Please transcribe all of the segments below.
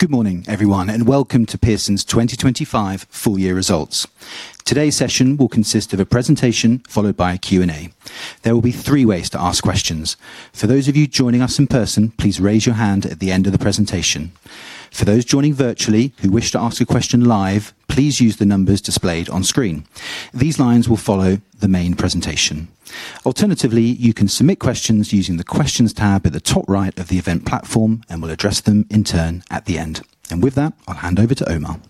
Good morning, everyone, welcome to Pearson's 2025 Full Year Results. Today's session will consist of a presentation, followed by a Q&A. There will be three ways to ask questions. For those of you joining us in person, please raise your hand at the end of the presentation. For those joining virtually who wish to ask a question live, please use the numbers displayed on screen. These lines will follow the main presentation. Alternatively, you can submit questions using the Questions tab at the top right of the event platform, and we'll address them in turn at the end. With that, I'll hand over to Omar.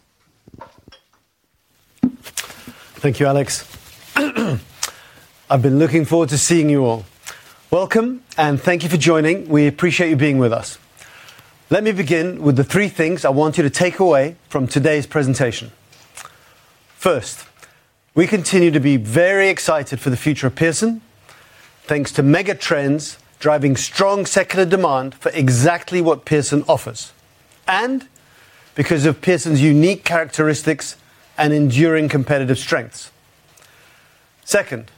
Thank you, Alex. I've been looking forward to seeing you all. Welcome, and thank you for joining. We appreciate you being with us. Let me begin with the three things I want you to take away from today's presentation. First, we continue to be very excited for the future of Pearson, thanks to mega trends driving strong secular demand for exactly what Pearson offers, and because of Pearson's unique characteristics and enduring competitive strengths. Second,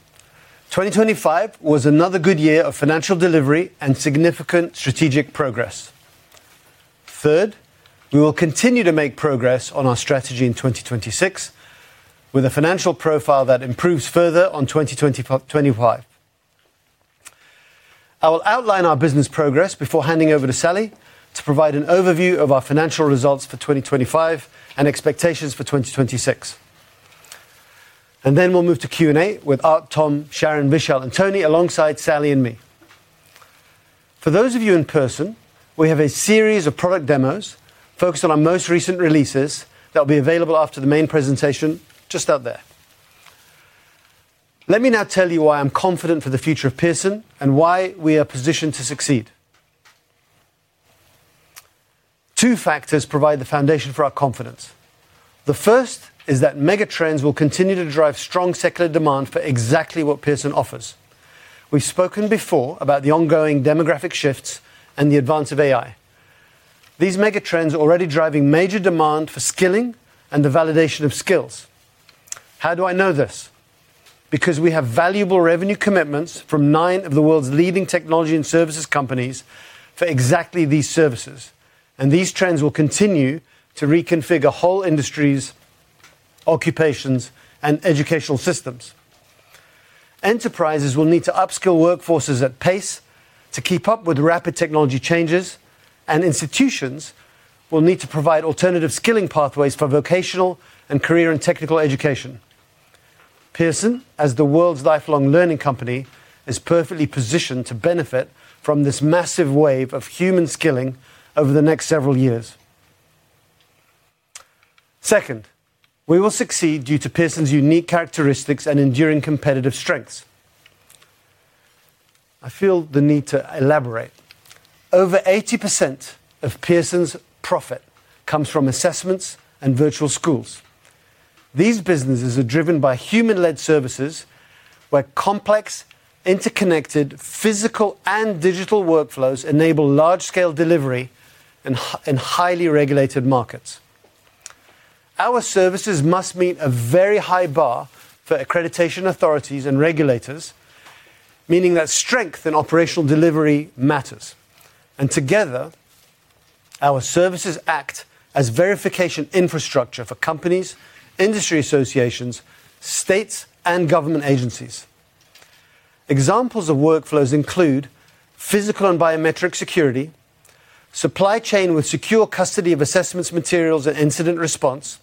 2025 was another good year of financial delivery and significant strategic progress. Third, we will continue to make progress on our strategy in 2026, with a financial profile that improves further on 2025. I will outline our business progress before handing over to Sally to provide an overview of our financial results for 2025 and expectations for 2026. Then we'll move to Q&A with Art, Tom, Sharon, Vishaal, and Tony, alongside Sally and me. For those of you in person, we have a series of product demos focused on our most recent releases that will be available after the main presentation just out there. Let me now tell you why I'm confident for the future of Pearson and why we are positioned to succeed. Two factors provide the foundation for our confidence. The first is that mega trends will continue to drive strong secular demand for exactly what Pearson offers. We've spoken before about the ongoing demographic shifts and the advance of AI. These mega trends are already driving major demand for skilling and the validation of skills. How do I know this? Because we have valuable revenue commitments from nine of the world's leading technology and services companies for exactly these services, and these trends will continue to reconfigure whole industries, occupations, and educational systems. Enterprises will need to upskill workforces at pace to keep up with rapid technology changes, and institutions will need to provide alternative skilling pathways for vocational and career and technical education. Pearson, as the world's lifelong learning company, is perfectly positioned to benefit from this massive wave of human skilling over the next several years. Second, we will succeed due to Pearson's unique characteristics and enduring competitive strengths. I feel the need to elaborate. Over 80% of Pearson's profit comes from assessments and virtual schools. These businesses are driven by human-led services, where complex, interconnected, physical, and digital workflows enable large-scale delivery in highly regulated markets. Our services must meet a very high bar for accreditation authorities and regulators, meaning that strength in operational delivery matters, and together, our services act as verification infrastructure for companies, industry associations, states, and government agencies. Examples of workflows include physical and biometric security, supply chain with secure custody of assessments, materials, and incident response,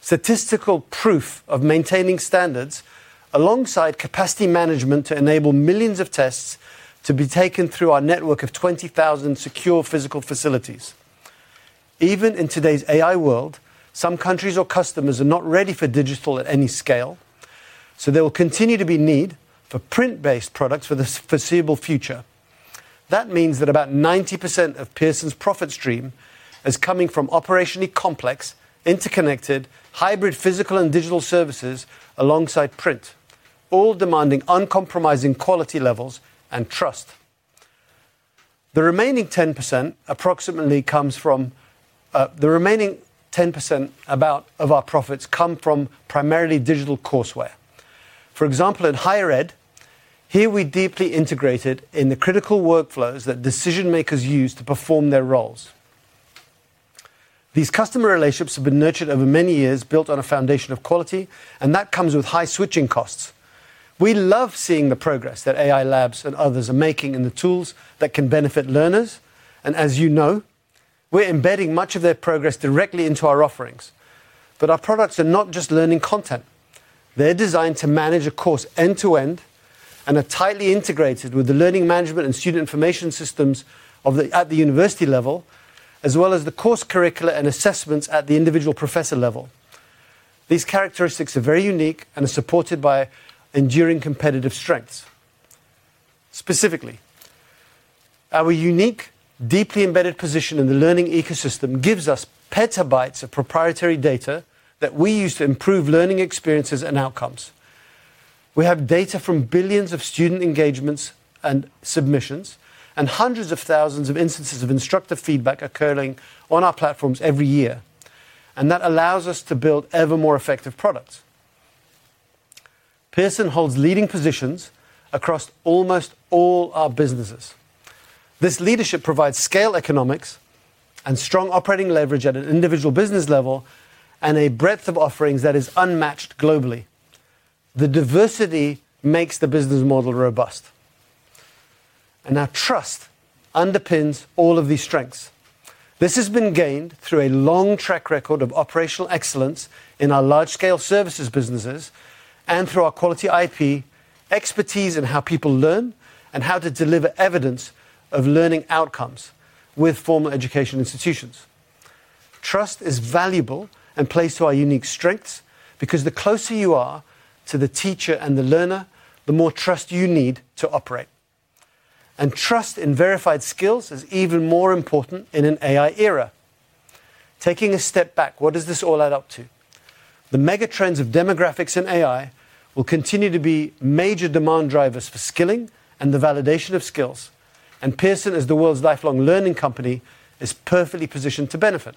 statistical proof of maintaining standards alongside capacity management to enable millions of tests to be taken through our network of 20,000 secure physical facilities. Even in today's AI world, some countries or customers are not ready for digital at any scale, so there will continue to be need for print-based products for the foreseeable future. That means that about 90% of Pearson's profit stream is coming from operationally complex, interconnected, hybrid, physical, and digital services alongside print, all demanding uncompromising quality levels and trust. The remaining 10% about of our profits come from primarily digital courseware. For example, in higher ed, here we deeply integrated in the critical workflows that decision-makers use to perform their roles. These customer relationships have been nurtured over many years, built on a foundation of quality. That comes with high switching costs. We love seeing the progress that AI labs and others are making, and the tools that can benefit learners, and as you know, we're embedding much of their progress directly into our offerings. Our products are not just learning content. They're designed to manage a course end to end and are tightly integrated with the learning management and student information systems at the university level, as well as the course curricula and assessments at the individual professor level. These characteristics are very unique and are supported by enduring competitive strengths. Specifically, our unique, deeply embedded position in the learning ecosystem gives us petabytes of proprietary data that we use to improve learning experiences and outcomes. We have data from billions of student engagements and submissions, and hundreds of thousands of instances of instructor feedback occurring on our platforms every year, and that allows us to build ever more effective products. Pearson holds leading positions across almost all our businesses. This leadership provides scale economics and strong operating leverage at an individual business level, and a breadth of offerings that is unmatched globally. The diversity makes the business model robust, and our trust underpins all of these strengths. This has been gained through a long track record of operational excellence in our large-scale services businesses and through our quality IP, expertise in how people learn, and how to deliver evidence of learning outcomes with formal education institutions. Trust is valuable and plays to our unique strengths, because the closer you are to the teacher and the learner, the more trust you need to operate. Trust in verified skills is even more important in an AI era. Taking a step back, what does this all add up to? The mega trends of demographics and AI will continue to be major demand drivers for skilling and the validation of skills, and Pearson, as the world's lifelong learning company, is perfectly positioned to benefit.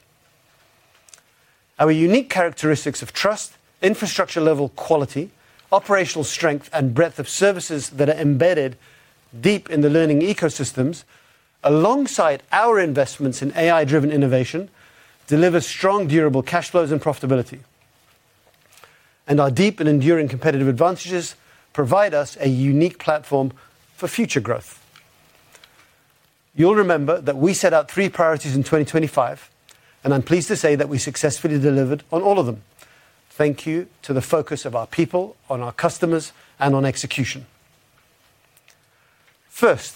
Our unique characteristics of trust, infrastructure-level quality, operational strength, and breadth of services that are embedded deep in the learning ecosystems, alongside our investments in AI-driven innovation, delivers strong, durable cash flows and profitability. Our deep and enduring competitive advantages provide us a unique platform for future growth. You'll remember that we set out three priorities in 2025, and I'm pleased to say that we successfully delivered on all of them. Thank you to the focus of our people, on our customers, and on execution. First,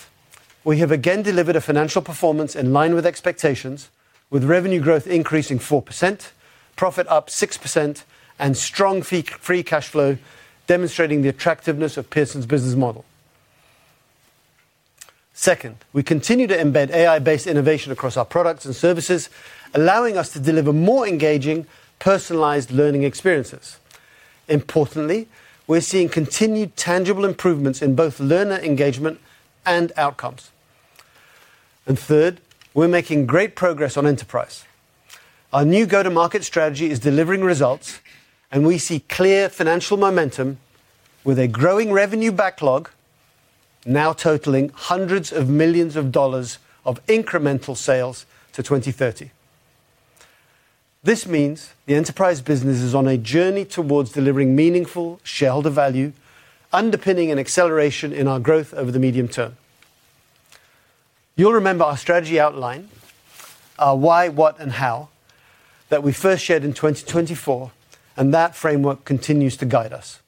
we have again delivered a financial performance in line with expectations, with revenue growth increasing 4%, profit up 6%, and strong free cash flow, demonstrating the attractiveness of Pearson's business model. Second, we continue to embed AI-based innovation across our products and services, allowing us to deliver more engaging, personalized learning experiences. Importantly, we're seeing continued tangible improvements in both learner engagement and outcomes. Third, we're making great progress on enterprise. Our new go-to-market strategy is delivering results, and we see clear financial momentum with a growing revenue backlog, now totaling hundreds of millions of dollars of incremental sales to 2030. This means the enterprise business is on a journey towards delivering meaningful shareholder value, underpinning an acceleration in our growth over the medium term. You'll remember our strategy outline, our why, what and how, that we first shared in 2024, and that framework continues to guide us.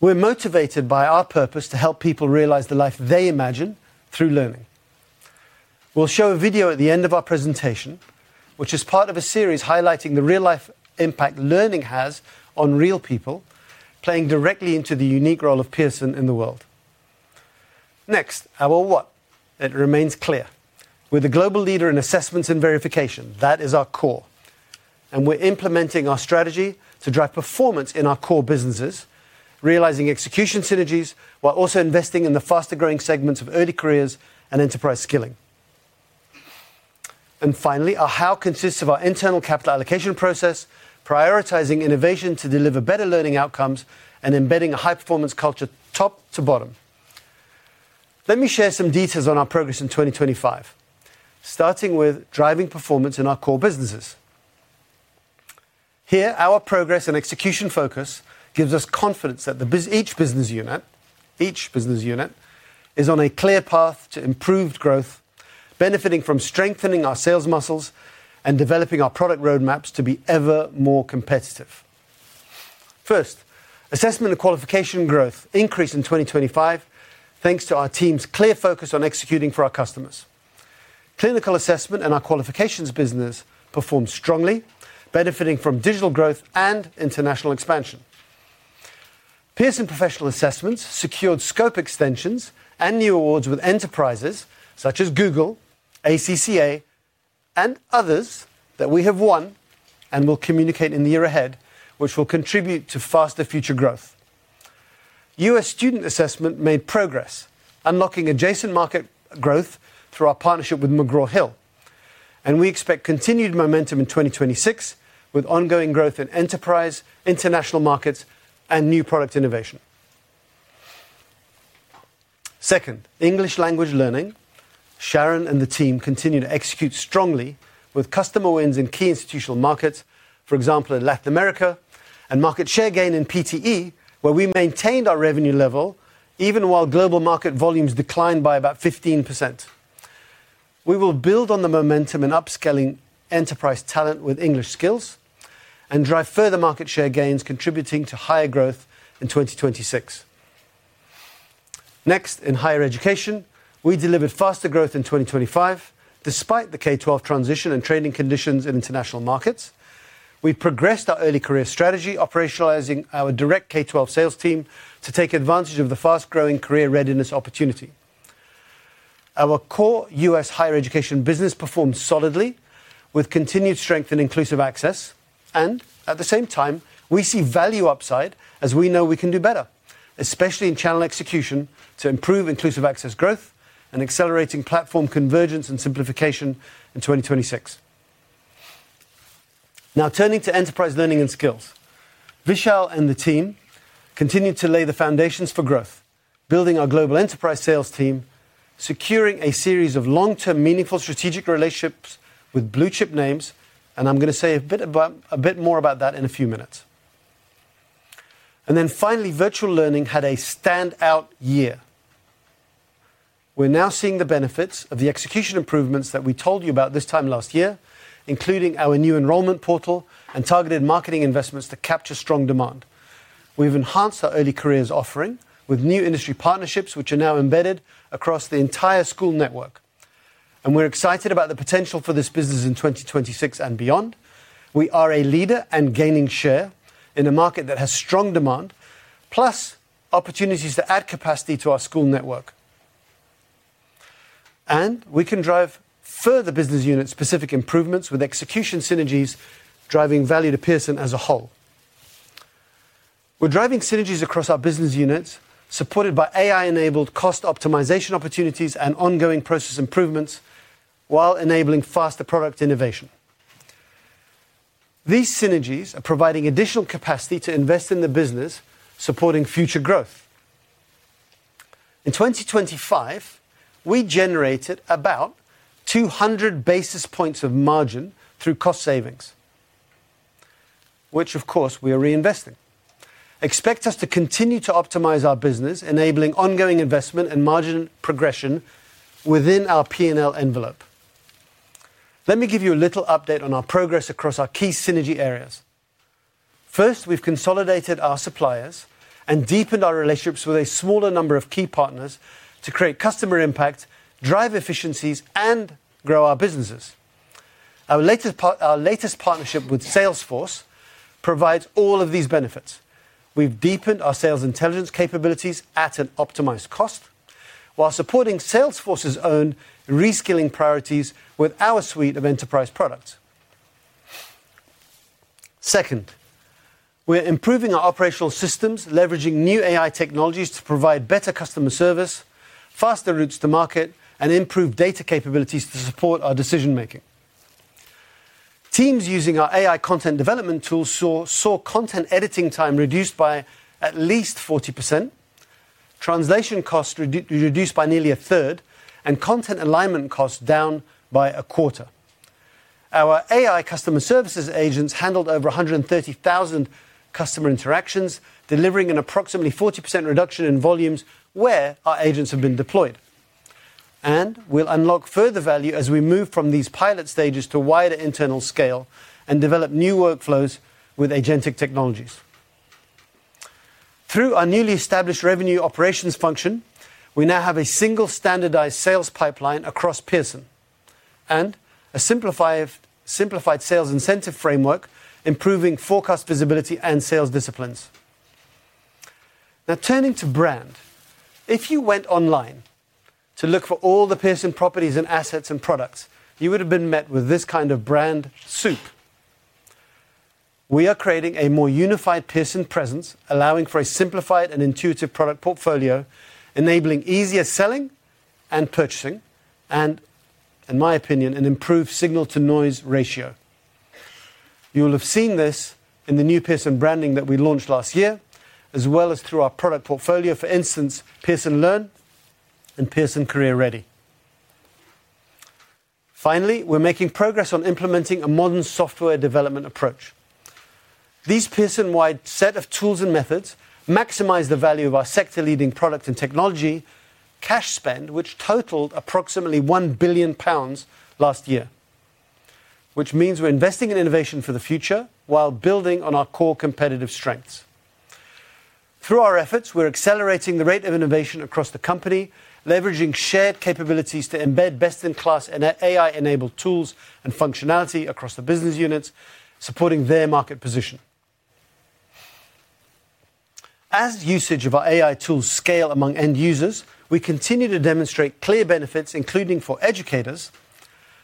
We're motivated by our purpose to help people realize the life they imagine through learning. We'll show a video at the end of our presentation, which is part of a series highlighting the real-life impact learning has on real people, playing directly into the unique role of Pearson in the world. Our what, it remains clear. We're the global leader in assessments and verification. That is our core. We're implementing our strategy to drive performance in our core businesses, realizing execution synergies, while also investing in the faster-growing segments of early careers and enterprise skilling. Finally, our how consists of our internal capital allocation process, prioritizing innovation to deliver better learning outcomes, and embedding a high-performance culture, top to bottom. Let me share some details on our progress in 2025, starting with driving performance in our core businesses. Here, our progress and execution focus gives us confidence that each business unit is on a clear path to improved growth, benefiting from strengthening our sales muscles and developing our product roadmaps to be ever more competitive. First, assessment and qualification growth increased in 2025, thanks to our team's clear focus on executing for our customers. Clinical assessment and our qualifications business performed strongly, benefiting from digital growth and international expansion. Pearson Professional Assessments secured scope extensions and new awards with enterprises such as Google, ACCA, and others that we have won and will communicate in the year ahead, which will contribute to faster future growth. U.S. student assessment made progress, unlocking adjacent market growth through our partnership with McGraw Hill. We expect continued momentum in 2026, with ongoing growth in enterprise, international markets, and new product innovation. Second, English language learning. Sharon and the team continue to execute strongly with customer wins in key institutional markets, for example, in Latin America, and market share gain in PTE, where we maintained our revenue level even while global market volumes declined by about 15%. We will build on the momentum in upskilling enterprise talent with English skills and drive further market share gains, contributing to higher growth in 2026. In higher education, we delivered faster growth in 2025, despite the K-12 transition and trading conditions in international markets. We progressed our early career strategy, operationalizing our direct K-12 sales team to take advantage of the fast-growing career readiness opportunity. Our core U.S. higher education business performed solidly, with continued strength in Inclusive Access, and at the same time, we see value upside as we know we can do better, especially in channel execution, to improve Inclusive Access growth and accelerating platform convergence and simplification in 2026. Turning to Enterprise Learning and Skills. Vishaal and the team continued to lay the foundations for growth, building our global enterprise sales team, securing a series of long-term, meaningful strategic relationships with blue-chip names, and I'm gonna say a bit about, a bit more about that in a few minutes. Finally, Virtual Learning had a standout year. We're now seeing the benefits of the execution improvements that we told you about this time last year, including our new enrollment portal and targeted marketing investments to capture strong demand. We've enhanced our early careers offering with new industry partnerships, which are now embedded across the entire school network, and we're excited about the potential for this business in 2026 and beyond. We are a leader and gaining share in a market that has strong demand, plus opportunities to add capacity to our school network. We can drive further business unit-specific improvements with execution synergies, driving value to Pearson as a whole. We're driving synergies across our business units, supported by AI-enabled cost optimization opportunities and ongoing process improvements, while enabling faster product innovation. These synergies are providing additional capacity to invest in the business, supporting future growth. In 2025, we generated about 200 basis points of margin through cost savings, which of course, we are reinvesting. Expect us to continue to optimize our business, enabling ongoing investment and margin progression within our P&L envelope. Let me give you a little update on our progress across our key synergy areas. First, we've consolidated our suppliers and deepened our relationships with a smaller number of key partners to create customer impact, drive efficiencies, and grow our businesses. Our latest partnership with Salesforce provides all of these benefits. We've deepened our sales intelligence capabilities at an optimized cost while supporting Salesforce's own reskilling priorities with our suite of enterprise products. We're improving our operational systems, leveraging new AI technologies to provide better customer service, faster routes to market, and improved data capabilities to support our decision making. Teams using our AI content development tools saw content editing time reduced by at least 40%, translation costs reduced by nearly a third, and content alignment costs down by a quarter. Our AI customer services agents handled over 130,000 customer interactions, delivering an approximately 40% reduction in volumes where our agents have been deployed. We'll unlock further value as we move from these pilot stages to wider internal scale and develop new workflows with agentic technologies. Through our newly established Revenue Operations function, we now have a single standardized sales pipeline across Pearson and a simplified sales incentive framework, improving forecast visibility and sales disciplines. Now, turning to brand. If you went online to look for all the Pearson properties and assets and products, you would have been met with this kind of brand soup. We are creating a more unified Pearson presence, allowing for a simplified and intuitive product portfolio, enabling easier selling and purchasing, and in my opinion, an improved signal-to-noise ratio. You will have seen this in the new Pearson branding that we launched last year, as well as through our product portfolio, for instance, Pearson Learn and Pearson Career Ready. Finally, we're making progress on implementing a modern software development approach. These Pearson-wide set of tools and methods maximize the value of our sector-leading product and technology cash spend, which totaled approximately 1 billion pounds last year, which means we're investing in innovation for the future while building on our core competitive strengths. Through our efforts, we're accelerating the rate of innovation across the company, leveraging shared capabilities to embed best-in-class and AI-enabled tools and functionality across the business units, supporting their market position. As usage of our AI tools scale among end users, we continue to demonstrate clear benefits, including for educators,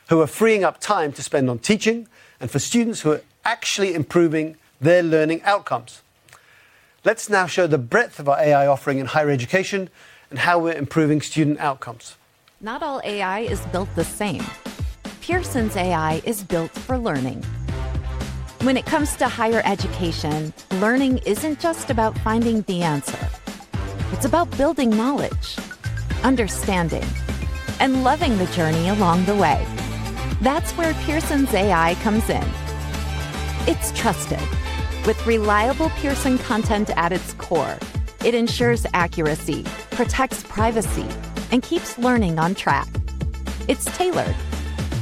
who are freeing up time to spend on teaching, and for students, who are actually improving their learning outcomes. Let's now show the breadth of our AI offering in higher education and how we're improving student outcomes. Not all AI is built the same. Pearson's AI is built for learning. When it comes to higher education, learning isn't just about finding the answer. It's about building knowledge, understanding, and loving the journey along the way. That's where Pearson's AI comes in. It's trusted. With reliable Pearson content at its core, it ensures accuracy, protects privacy, and keeps learning on track. It's tailored,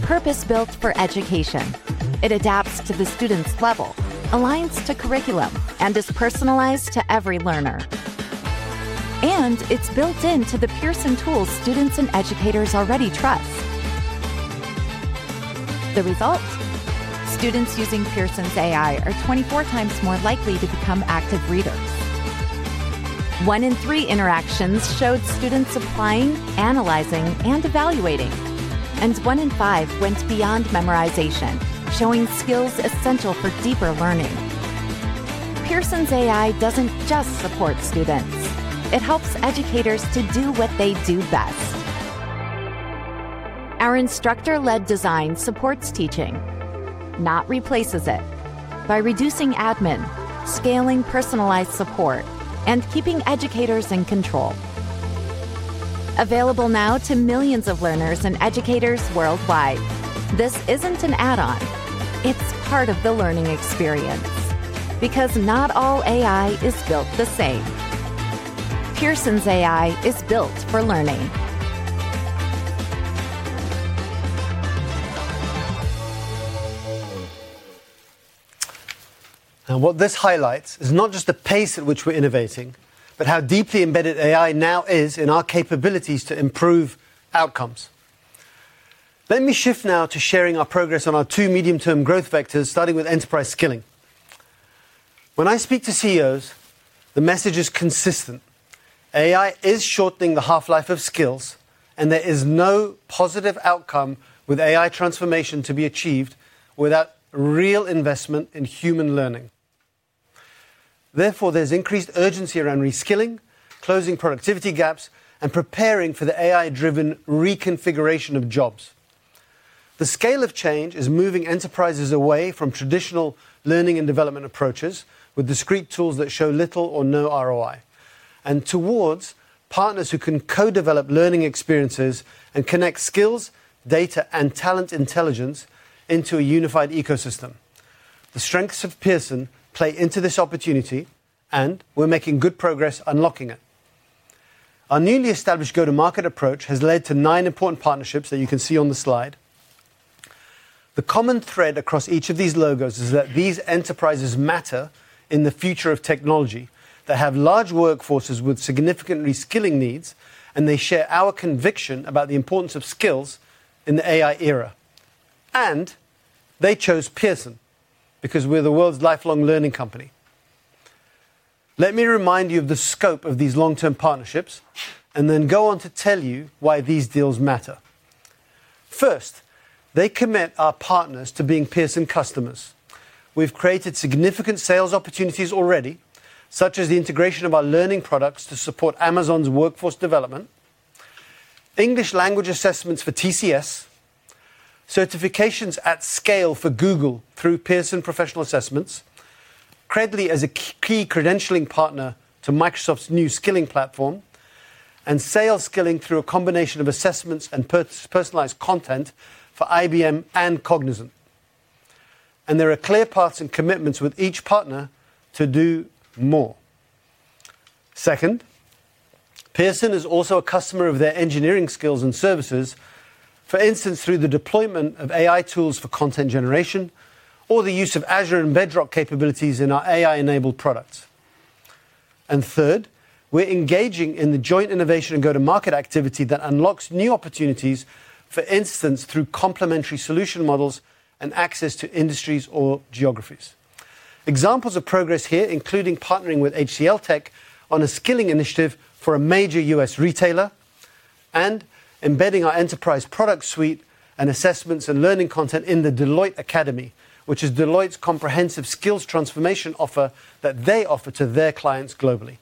purpose-built for education. It adapts to the student's level, aligns to curriculum, and is personalized to every learner. It's built into the Pearson tools students and educators already trust. The results? Students using Pearson's AI are 24 times more likely to become active readers. One in three interactions showed students applying, analyzing, and evaluating, and one in five went beyond memorization, showing skills essential for deeper learning. Pearson's AI doesn't just support students, it helps educators to do what they do best. Our instructor-led design supports teaching, not replaces it, by reducing admin, scaling personalized support, and keeping educators in control. Available now to millions of learners and educators worldwide, this isn't an add-on, it's part of the learning experience, because not all AI is built the same. Pearson's AI is built for learning. What this highlights is not just the pace at which we're innovating, but how deeply embedded AI now is in our capabilities to improve outcomes. Let me shift now to sharing our progress on our two medium-term growth vectors, starting with enterprise skilling. When I speak to CEOs, the message is consistent: AI is shortening the half-life of skills, and there is no positive outcome with AI transformation to be achieved without real investment in human learning. Therefore, there's increased urgency around reskilling, closing productivity gaps, and preparing for the AI-driven reconfiguration of jobs. The scale of change is moving enterprises away from traditional learning and development approaches, with discrete tools that show little or no ROI, and towards partners who can co-develop learning experiences and connect skills, data, and talent intelligence into a unified ecosystem. The strengths of Pearson play into this opportunity, and we're making good progress unlocking it. Our newly established go-to-market approach has led to nine important partnerships that you can see on the slide. The common thread across each of these logos is that these enterprises matter in the future of technology. They have large workforces with significant reskilling needs, and they share our conviction about the importance of skills in the AI era. They chose Pearson because we're the world's lifelong learning company. Let me remind you of the scope of these long-term partnerships, and then go on to tell you why these deals matter. First, they commit our partners to being Pearson customers. We've created significant sales opportunities already, such as the integration of our learning products to support Amazon's workforce development, English language assessments for TCS, certifications at scale for Google through Pearson Professional Assessments, Credly as a key credentialing partner to Microsoft's new skilling platform, and sales skilling through a combination of assessments and personalized content for IBM and Cognizant. There are clear paths and commitments with each partner to do more. Second, Pearson is also a customer of their engineering skills and services. For instance, through the deployment of AI tools for content generation or the use of Azure and Bedrock capabilities in our AI-enabled products. Third, we're engaging in the joint innovation and go-to-market activity that unlocks new opportunities, for instance, through complementary solution models and access to industries or geographies. Examples of progress here, including partnering with HCLTech on a skilling initiative for a major US retailer, and embedding our enterprise product suite and assessments and learning content in the Deloitte Academy, which is Deloitte's comprehensive skills transformation offer that they offer to their clients globally.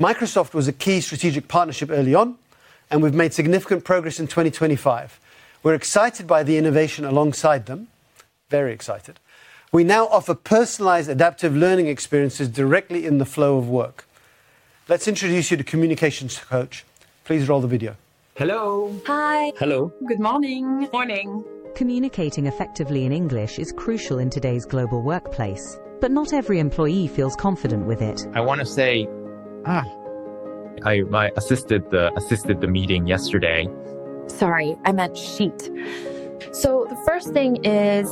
Microsoft was a key strategic partnership early on, and we've made significant progress in 2025. We're excited by the innovation alongside them. Very excited. We now offer personalized adaptive learning experiences directly in the flow of work. Let's introduce you to Communication Coach. Please roll the video. Hello. Hi. Hello. Good morning. Morning. Communicating effectively in English is crucial in today's global workplace, but not every employee feels confident with it. I want to say, I assisted the meeting yesterday. Sorry, I meant sheet. The first thing is.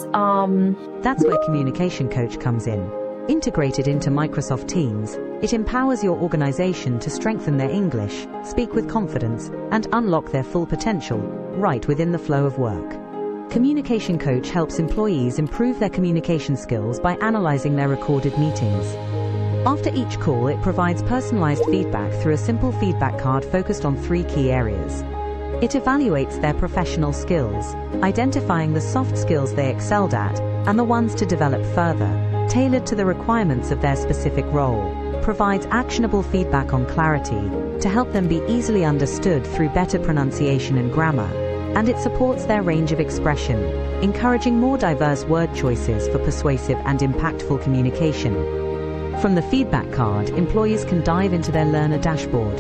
That's where Communication Coach comes in. Integrated into Microsoft Teams, it empowers your organization to strengthen their English, speak with confidence, and unlock their full potential right within the flow of work. Communication Coach helps employees improve their communication skills by analyzing their recorded meetings. After each call, it provides personalized feedback through a simple feedback card focused on three key areas. It evaluates their professional skills, identifying the soft skills they excelled at and the ones to develop further, tailored to the requirements of their specific role. Provides actionable feedback on clarity to help them be easily understood through better pronunciation and grammar. It supports their range of expression, encouraging more diverse word choices for persuasive and impactful communication. From the feedback card, employees can dive into their learner dashboard.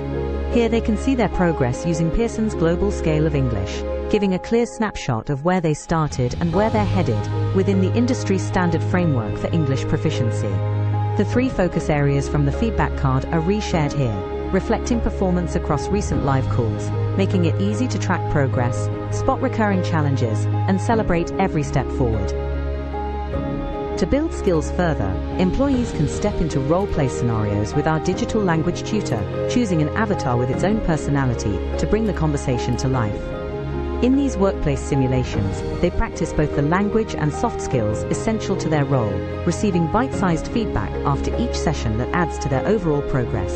Here, they can see their progress using Pearson's Global Scale of English, giving a clear snapshot of where they started and where they're headed within the industry-standard framework for English proficiency. The three focus areas from the feedback card are re-shared here, reflecting performance across recent live calls, making it easy to track progress, spot recurring challenges, and celebrate every step forward. To build skills further, employees can step into role-play scenarios with our digital language tutor, choosing an avatar with its own personality to bring the conversation to life. In these workplace simulations, they practice both the language and soft skills essential to their role, receiving bite-sized feedback after each session that adds to their overall progress.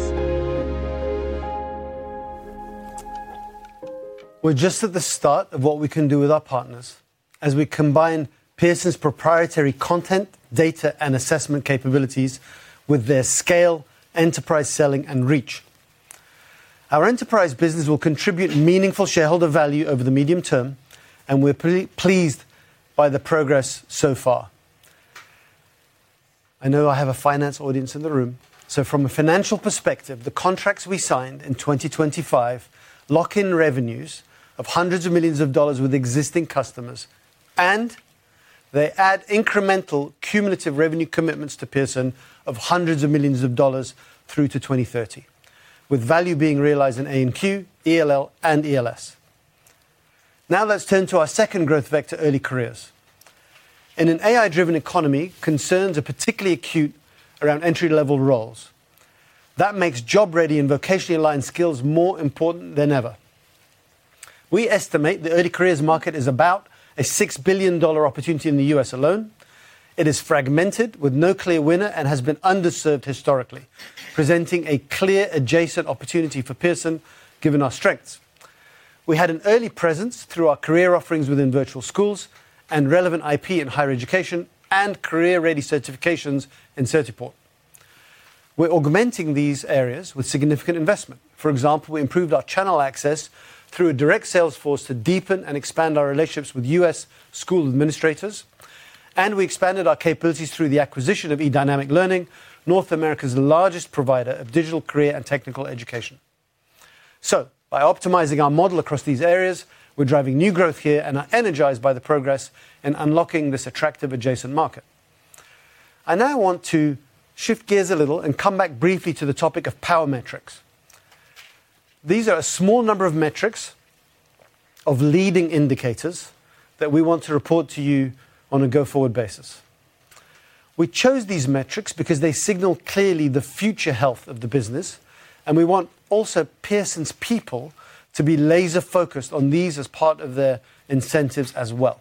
We're just at the start of what we can do with our partners, as we combine Pearson's proprietary content, data, and assessment capabilities with their scale, enterprise selling, and reach. Our enterprise business will contribute meaningful shareholder value over the medium term, and we're pretty pleased by the progress so far. I know I have a finance audience in the room, so from a financial perspective, the contracts we signed in 2025 lock in revenues of hundreds of millions dollars with existing customers, and they add incremental cumulative revenue commitments to Pearson of hundreds of millions of dollars through to 2030, with value being realized in A&Q, ELL, and ELS. Now, let's turn to our second growth vector, Early Careers. In an AI-driven economy, concerns are particularly acute around entry-level roles. That makes job-ready and vocationally aligned skills more important than ever. We estimate the early careers market is about a $6 billion opportunity in the U.S. alone. It is fragmented with no clear winner and has been underserved historically, presenting a clear adjacent opportunity for Pearson, given our strengths. We had an early presence through our career offerings within virtual schools and relevant IP in higher education and career-ready certifications in Certiport. We're augmenting these areas with significant investment. For example, we improved our channel access through a direct sales force to deepen and expand our relationships with U.S. school administrators. We expanded our capabilities through the acquisition of eDynamic Learning, North America's largest provider of digital career and technical education. By optimizing our model across these areas, we're driving new growth here and are energized by the progress in unlocking this attractive adjacent market. I now want to shift gears a little and come back briefly to the topic of power metrics. These are a small number of metrics of leading indicators that we want to report to you on a go-forward basis. We chose these metrics because they signal clearly the future health of the business, and we want also Pearson's people to be laser-focused on these as part of their incentives as well.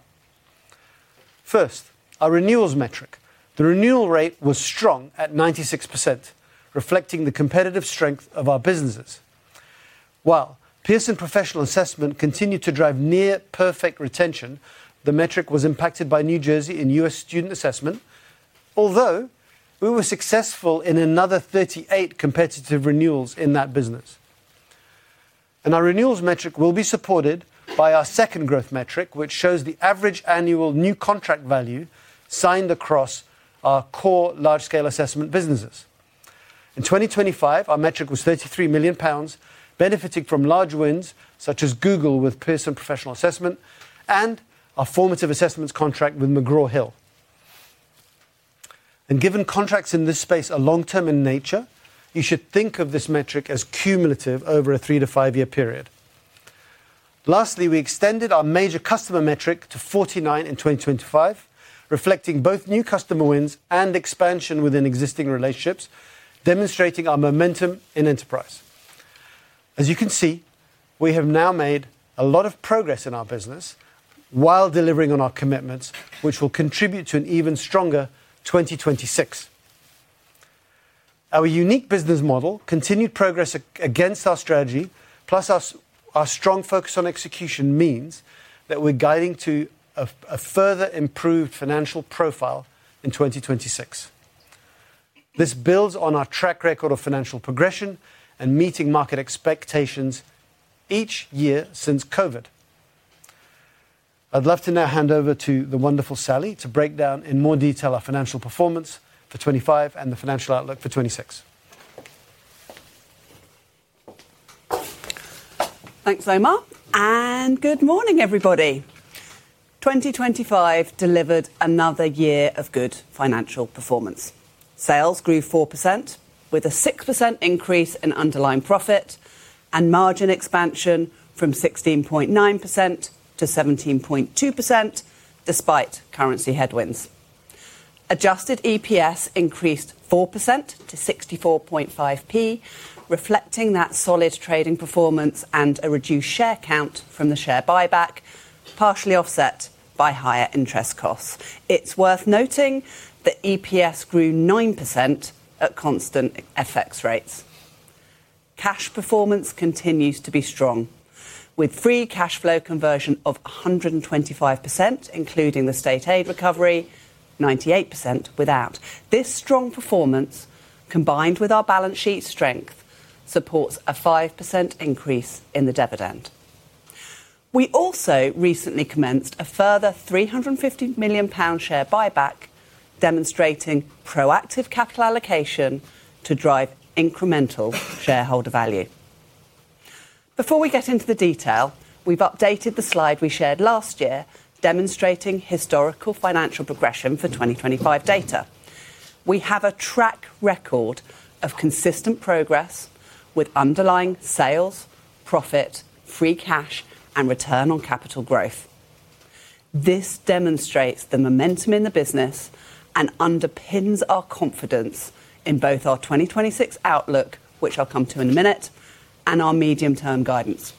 First, our renewals metric. The renewal rate was strong at 96%, reflecting the competitive strength of our businesses. While Pearson Professional Assessment continued to drive near perfect retention, the metric was impacted by New Jersey and U.S. student assessment, although we were successful in another 38 competitive renewals in that business. Our renewals metric will be supported by our second growth metric, which shows the average annual new contract value signed across our core large-scale assessment businesses. In 2025, our metric was 33 million pounds, benefiting from large wins, such as Google with Pearson Professional Assessment and our formative assessments contract with McGraw Hill. Given contracts in this space are long-term in nature, you should think of this metric as cumulative over a three to five-year period. Lastly, we extended our major customer metric to 49 in 2025, reflecting both new customer wins and expansion within existing relationships, demonstrating our momentum in enterprise. As you can see, we have now made a lot of progress in our business while delivering on our commitments, which will contribute to an even stronger 2026. Our unique business model, continued progress against our strategy, plus our strong focus on execution, means that we're guiding to a further improved financial profile in 2026. This builds on our track record of financial progression and meeting market expectations each year since COVID. I'd love to now hand over to the wonderful Sally to break down in more detail our financial performance for 2025 and the financial outlook for 2026. Thanks very much, good morning, everybody. 2025 delivered another year of good financial performance. Sales grew 4%, with a 6% increase in underlying profit and margin expansion from 16.9% to 17.2%, despite currency headwinds. Adjusted EPS increased 4% to 0.645, reflecting that solid trading performance and a reduced share count from the share buyback, partially offset by higher interest costs. It's worth noting that EPS grew 9% at constant FX rates. Cash performance continues to be strong, with free cash flow conversion of 125%, including the state aid recovery, 98% without. This strong performance, combined with our balance sheet strength, supports a 5% increase in the dividend. We also recently commenced a further 350 million pound share buyback, demonstrating proactive capital allocation to drive incremental shareholder value. Before we get into the detail, we've updated the slide we shared last year, demonstrating historical financial progression for 2025 data. We have a track record of consistent progress with underlying sales, profit, free cash, and return on capital growth. This demonstrates the momentum in the business and underpins our confidence in both our 2026 outlook, which I'll come to in a minute, and our medium-term guidance.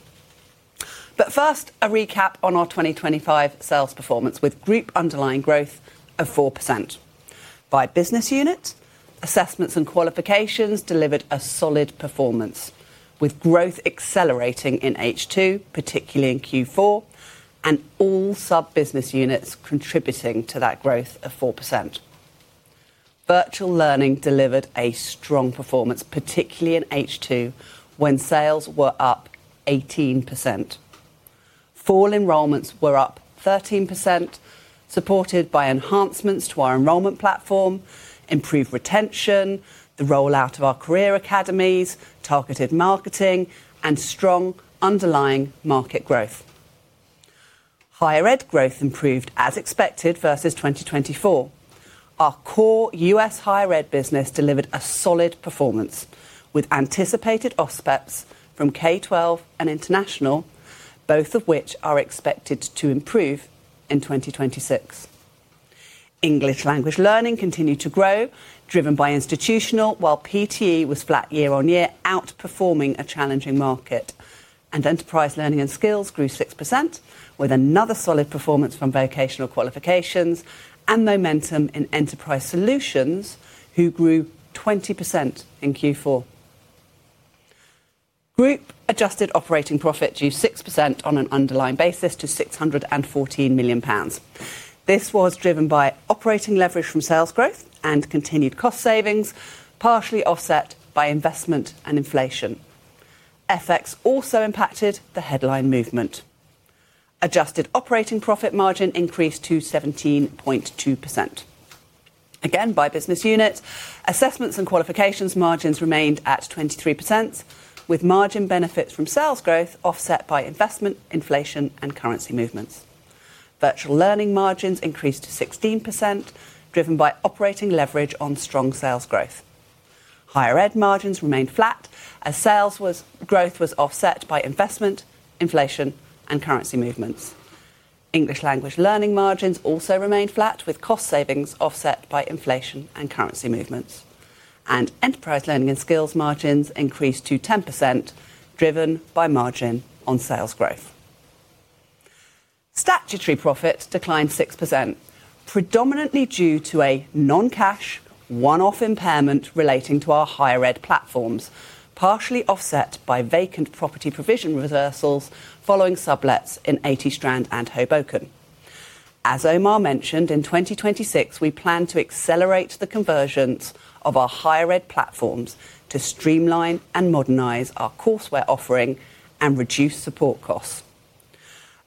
First, a recap on our 2025 sales performance with group underlying growth of 4%. By business unit, Assessments and qualifications delivered a solid performance, with growth accelerating in H2, particularly in Q4, and all sub-business units contributing to that growth of 4%. Virtual learning delivered a strong performance, particularly in H2, when sales were up 18%. Fall enrollments were up 13%, supported by enhancements to our enrollment platform, improved retention, the rollout of our career academies, targeted marketing, and strong underlying market growth. Higher ed growth improved as expected versus 2024. Our core U.S. higher ed business delivered a solid performance, with anticipated offspeps from K-12 and international, both of which are expected to improve in 2026. English language learning continued to grow, driven by institutional, while PTE was flat year-on-year, outperforming a challenging market. Enterprise learning and skills grew 6%, with another solid performance from vocational qualifications and momentum in enterprise solutions, who grew 20% in Q4. Group adjusted operating profit grew 6% on an underlying basis to 614 million pounds. This was driven by operating leverage from sales growth and continued cost savings, partially offset by investment and inflation. FX also impacted the headline movement. Adjusted operating profit margin increased to 17.2%. Again, by business unit, assessments and qualifications margins remained at 23%, with margin benefits from sales growth offset by investment, inflation, and currency movements. Virtual learning margins increased to 16%, driven by operating leverage on strong sales growth. Higher ed margins remained flat as sales growth was offset by investment, inflation, and currency movements. English language learning margins also remained flat, with cost savings offset by inflation and currency movements. Enterprise learning and skills margins increased to 10%, driven by margin on sales growth. Statutory profit declined 6%, predominantly due to a non-cash, one-off impairment relating to our higher ed platforms, partially offset by vacant property provision reversals following sublets in 80 Strand and Hoboken. As Omar mentioned, in 2026, we plan to accelerate the conversions of our higher ed platforms to streamline and modernize our courseware offering and reduce support costs.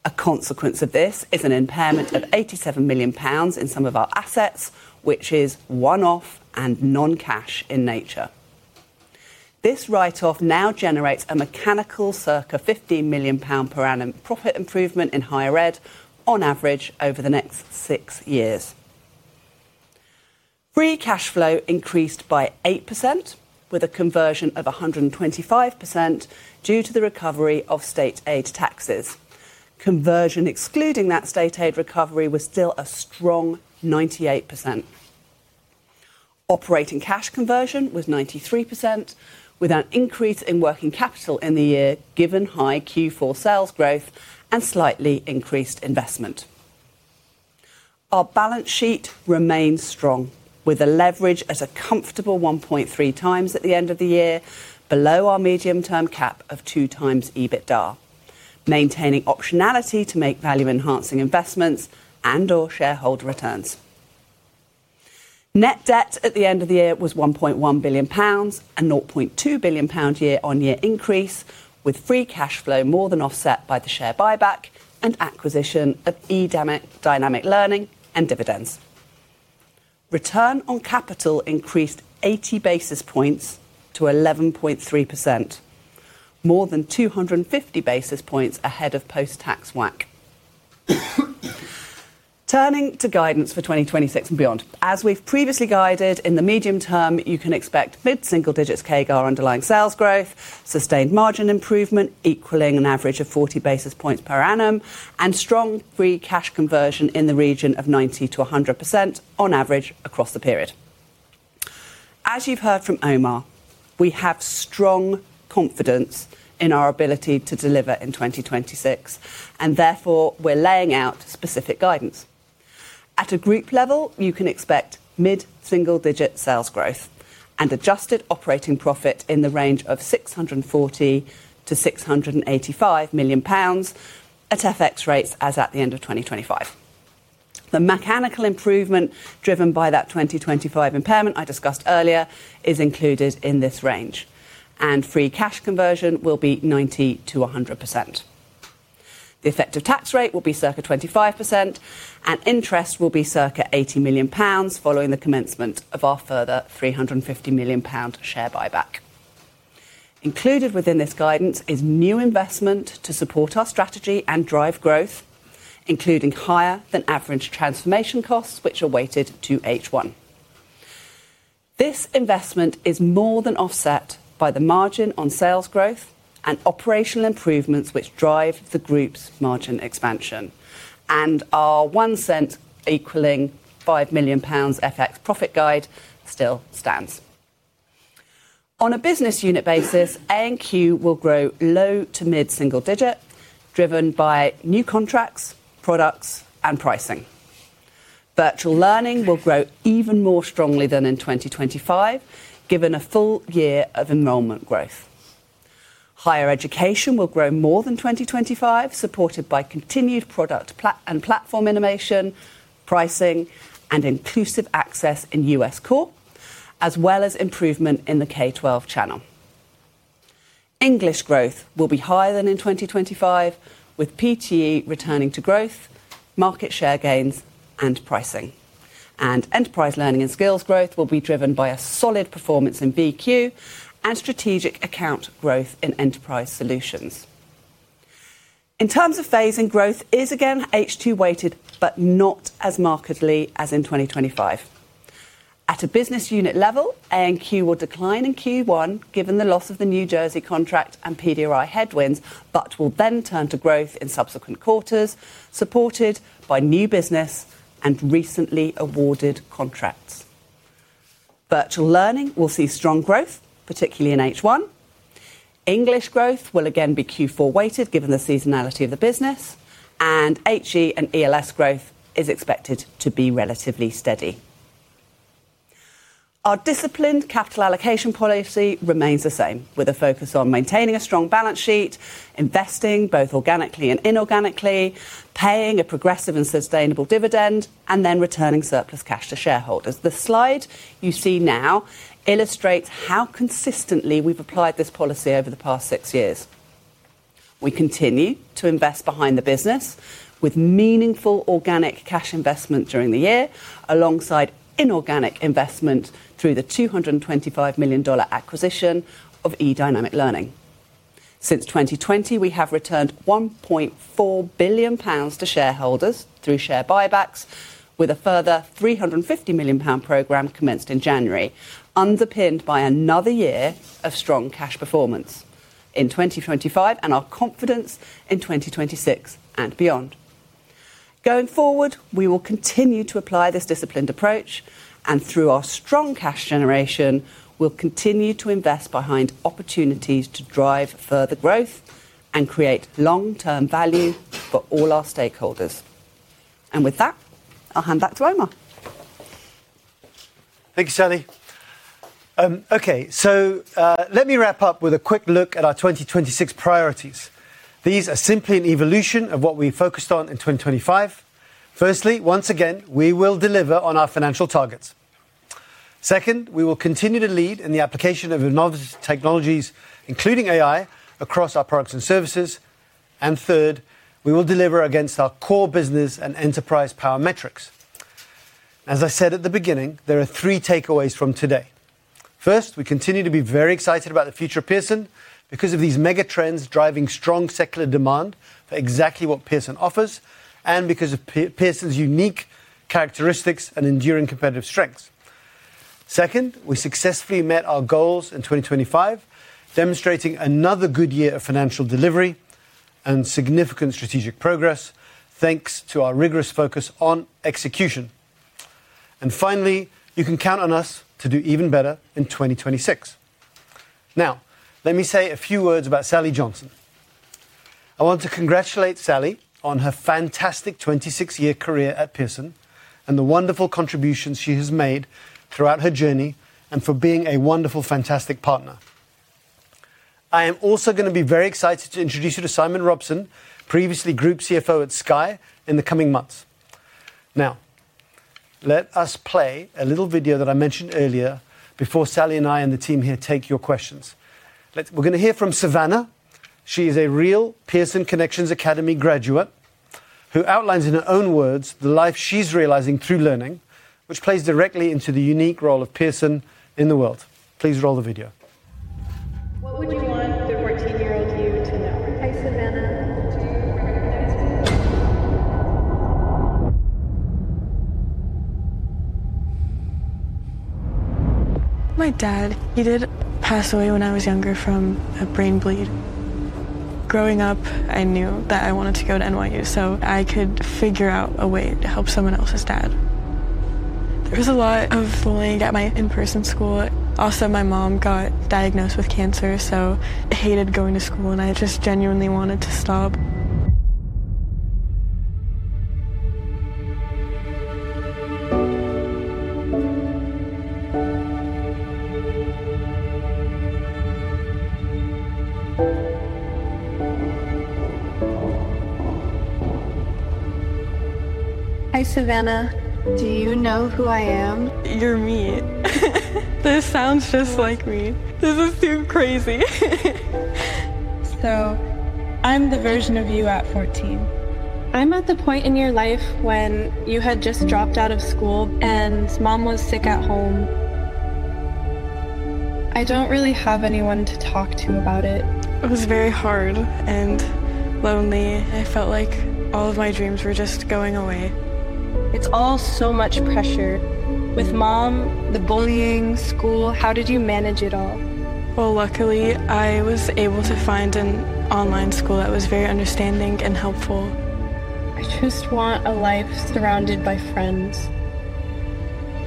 A consequence of this is an impairment of 87 million pounds in some of our assets, which is one-off and non-cash in nature. This write-off now generates a mechanical circa 50 million pound per annum profit improvement in higher ed on average over the next six years. Free cash flow increased by 8%, with a conversion of 125% due to the recovery of state aid taxes. Conversion, excluding that state aid recovery, was still a strong 98%. Operating cash conversion was 93%, with an increase in working capital in the year, given high Q4 sales growth and slightly increased investment. Our balance sheet remains strong, with a leverage at a comfortable 1.3 times at the end of the year, below our medium-term cap of 2 times EBITDA, maintaining optionality to make value-enhancing investments and/or shareholder returns. Net debt at the end of the year was 1.1 billion pounds, a 0.2 billion pound year-on-year increase, with free cash flow more than offset by the share buyback and acquisition of eDynamic Learning and dividends. Return on capital increased 80 basis points to 11.3%. More than 250 basis points ahead of post-tax WACC. Turning to guidance for 2026 and beyond. In the medium term, you can expect mid-single-digit CAGR underlying sales growth, sustained margin improvement equaling an average of 40 basis points per annum, and strong free cash conversion in the region of 90%-100% on average across the period. You've heard from Omar, we have strong confidence in our ability to deliver in 2026. Therefore, we're laying out specific guidance. At a group level, you can expect mid-single-digit sales growth and adjusted operating profit in the range of 640 million-685 million pounds at FX rates as at the end of 2025. The mechanical improvement driven by that 2025 impairment I discussed earlier is included in this range. Free cash conversion will be 90%-100%. The effective tax rate will be circa 25%, interest will be circa 80 million pounds, following the commencement of our further 350 million pound share buyback. Included within this guidance is new investment to support our strategy and drive growth, including higher than average transformation costs, which are weighted to H1. This investment is more than offset by the margin on sales growth and operational improvements, which drive the group's margin expansion, our one cent equaling 5 million pounds FX profit guide still stands. On a business unit basis, A&Q will grow low-to-mid single digit %, driven by new contracts, products, and pricing. Virtual learning will grow even more strongly than in 2025, given a full year of enrollment growth. Higher education will grow more than 2025, supported by continued product and platform innovation, pricing, and Inclusive Access in U.S. core, as well as improvement in the K-12 channel. English growth will be higher than in 2025, with PTE returning to growth, market share gains, and pricing. Enterprise Learning and Skills growth will be driven by a solid performance in BTEC and strategic account growth in enterprise solutions. In terms of phasing, growth is again H2 weighted, but not as markedly as in 2025. At a business unit level, A&Q will decline in Q1, given the loss of the New Jersey contract and PDRI headwinds, but will then turn to growth in subsequent quarters, supported by new business and recently awarded contracts. Virtual learning will see strong growth, particularly in H1. English growth will again be Q4 weighted, given the seasonality of the business, and HE and ELS growth is expected to be relatively steady. Our disciplined capital allocation policy remains the same, with a focus on maintaining a strong balance sheet, investing both organically and inorganically, paying a progressive and sustainable dividend, and then returning surplus cash to shareholders. The slide you see now illustrates how consistently we've applied this policy over the past six years. We continue to invest behind the business with meaningful organic cash investment during the year, alongside inorganic investment through the $225 million acquisition of eDynamic Learning. Since 2020, we have returned 1.4 billion pounds to shareholders through share buybacks, with a further 350 million pound program commenced in January, underpinned by another year of strong cash performance in 2025 and our confidence in 2026 and beyond. Through our strong cash generation, we'll continue to invest behind opportunities to drive further growth and create long-term value for all our stakeholders. With that, I'll hand back to Omar. Thank you, Sally. Okay. Let me wrap up with a quick look at our 2026 priorities. These are simply an evolution of what we focused on in 2025. Firstly, once again, we will deliver on our financial targets. Second, we will continue to lead in the application of innovative technologies, including AI, across our products and services. Third, we will deliver against our core business and enterprise power metrics. As I said at the beginning, there are three takeaways from today. First, we continue to be very excited about the future of Pearson because of these mega trends driving strong secular demand for exactly what Pearson offers, and because of Pearson's unique characteristics and enduring competitive strengths. Second, we successfully met our goals in 2025, demonstrating another good year of financial delivery and significant strategic progress, thanks to our rigorous focus on execution. Finally, you can count on us to do even better in 2026. Let me say a few words about Sally Johnson. I want to congratulate Sally on her fantastic 26-year career at Pearson and the wonderful contributions she has made throughout her journey, and for being a wonderful, fantastic partner. I am also gonna be very excited to introduce you to Simon Robson, previously Group CFO at Sky, in the coming months. Let us play a little video that I mentioned earlier before Sally and I and the team here take your questions. We're gonna hear from Savannah. She is a real Pearson Connections Academy graduate, who outlines, in her own words, the life she's realizing through learning, which plays directly into the unique role of Pearson in the world. Please roll the video. What would you want the 14-year-old you to know? Hi, Savannah. Do you know who I am? My dad, he did pass away when I was younger from a brain bleed. Growing up, I knew that I wanted to go to NYU so I could figure out a way to help someone else's dad. There was a lot of bullying at my in-person school. My mom got diagnosed with cancer, so I hated going to school, and I just genuinely wanted to stop. Hi, Savannah. Do you know who I am? You're me. This sounds just like me. This is too crazy. I'm the version of you at 14. I'm at the point in your life when you had just dropped out of school and Mom was sick at home. I don't really have anyone to talk to about it. It was very hard and lonely. I felt like all of my dreams were just going away. It's all so much pressure. With Mom, the bullying, school, how did you manage it all? Well, luckily, I was able to find an online school that was very understanding and helpful. I just want a life surrounded by friends.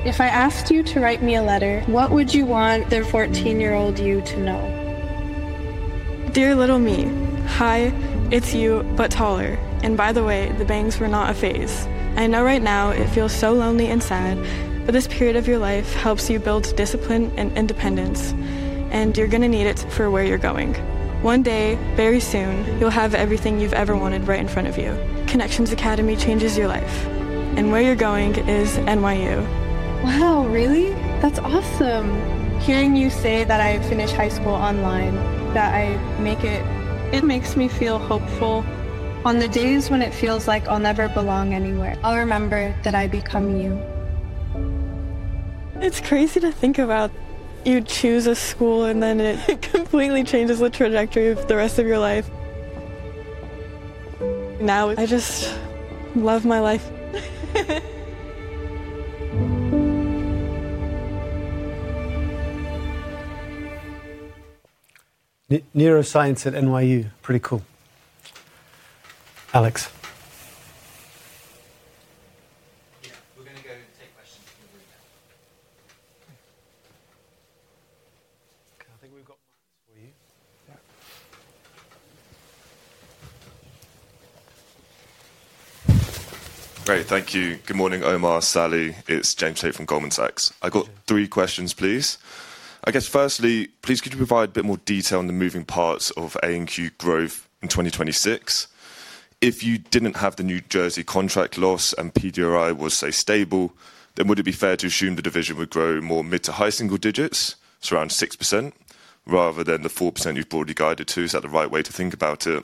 If I asked you to write me a letter, what would you want the 14-year-old you to know? Dear little me, hi, it's you, but taller. By the way, the bangs were not a phase. I know right now it feels so lonely and sad, but this period of your life helps you build discipline and independence. You're gonna need it for where you're going. One day, very soon, you'll have everything you've ever wanted right in front of you. Connections Academy changes your life. Where you're going is NYU. Wow, really? That's awesome. Hearing you say that I finish high school online, that I make it makes me feel hopeful. On the days when it feels like I'll never belong anywhere, I'll remember that I become you. It's crazy to think about you choose a school, and then it completely changes the trajectory of the rest of your life. Now, I just love my life. Neuroscience at NYU. Pretty cool. Alex. Yeah, we're gonna go take questions from the room. I think we've got mics for you. Yeah. Great. Thank you. Good morning, Omar, Sally. It's James Tate from Goldman Sachs. I got three questions, please. I guess, firstly, please, could you provide a bit more detail on the moving parts of A&Q growth in 2026? If you didn't have the New Jersey contract loss and PDRI was, say, stable, would it be fair to assume the division would grow more mid to high single digits, so around 6%, rather than the 4% you've broadly guided to? Is that the right way to think about it?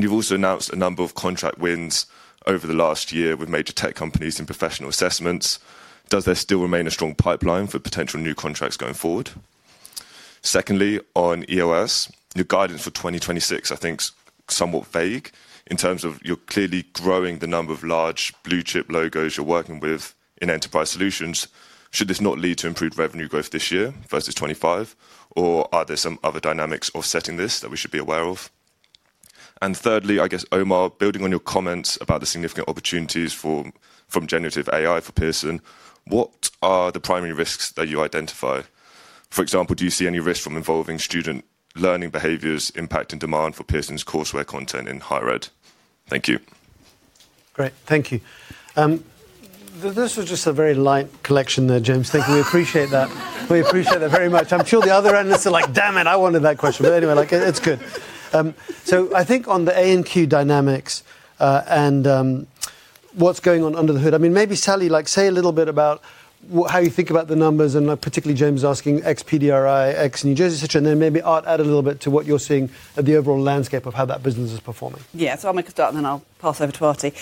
You've also announced a number of contract wins over the last year with major tech companies in professional assessments. Does there still remain a strong pipeline for potential new contracts going forward? On EOS, your guidance for 2026, I think, is somewhat vague in terms of you're clearly growing the number of large blue-chip logos you're working with in enterprise solutions. Should this not lead to improved revenue growth this year versus 25, or are there some other dynamics offsetting this that we should be aware of? Thirdly, I guess, Omar, building on your comments about the significant opportunities from generative AI for Pearson, what are the primary risks that you identify? For example, do you see any risk from involving student learning behaviors impacting demand for Pearson's courseware content in higher ed? Thank you. Great. Thank you. This was just a very light collection there, James. Thank you. We appreciate that. We appreciate that very much. I'm sure the other analysts are like, "Damn it, I wanted that question!" Anyway, like, it's good. I think on the A&Q dynamics, and what's going on under the hood, I mean, maybe Sally, like, say a little bit about how you think about the numbers, and particularly James asking ex-PDRI, ex-New Jersey, and then maybe Art add a little bit to what you're seeing at the overall landscape of how that business is performing. Yeah. I'll make a start, and then I'll pass over to Arti.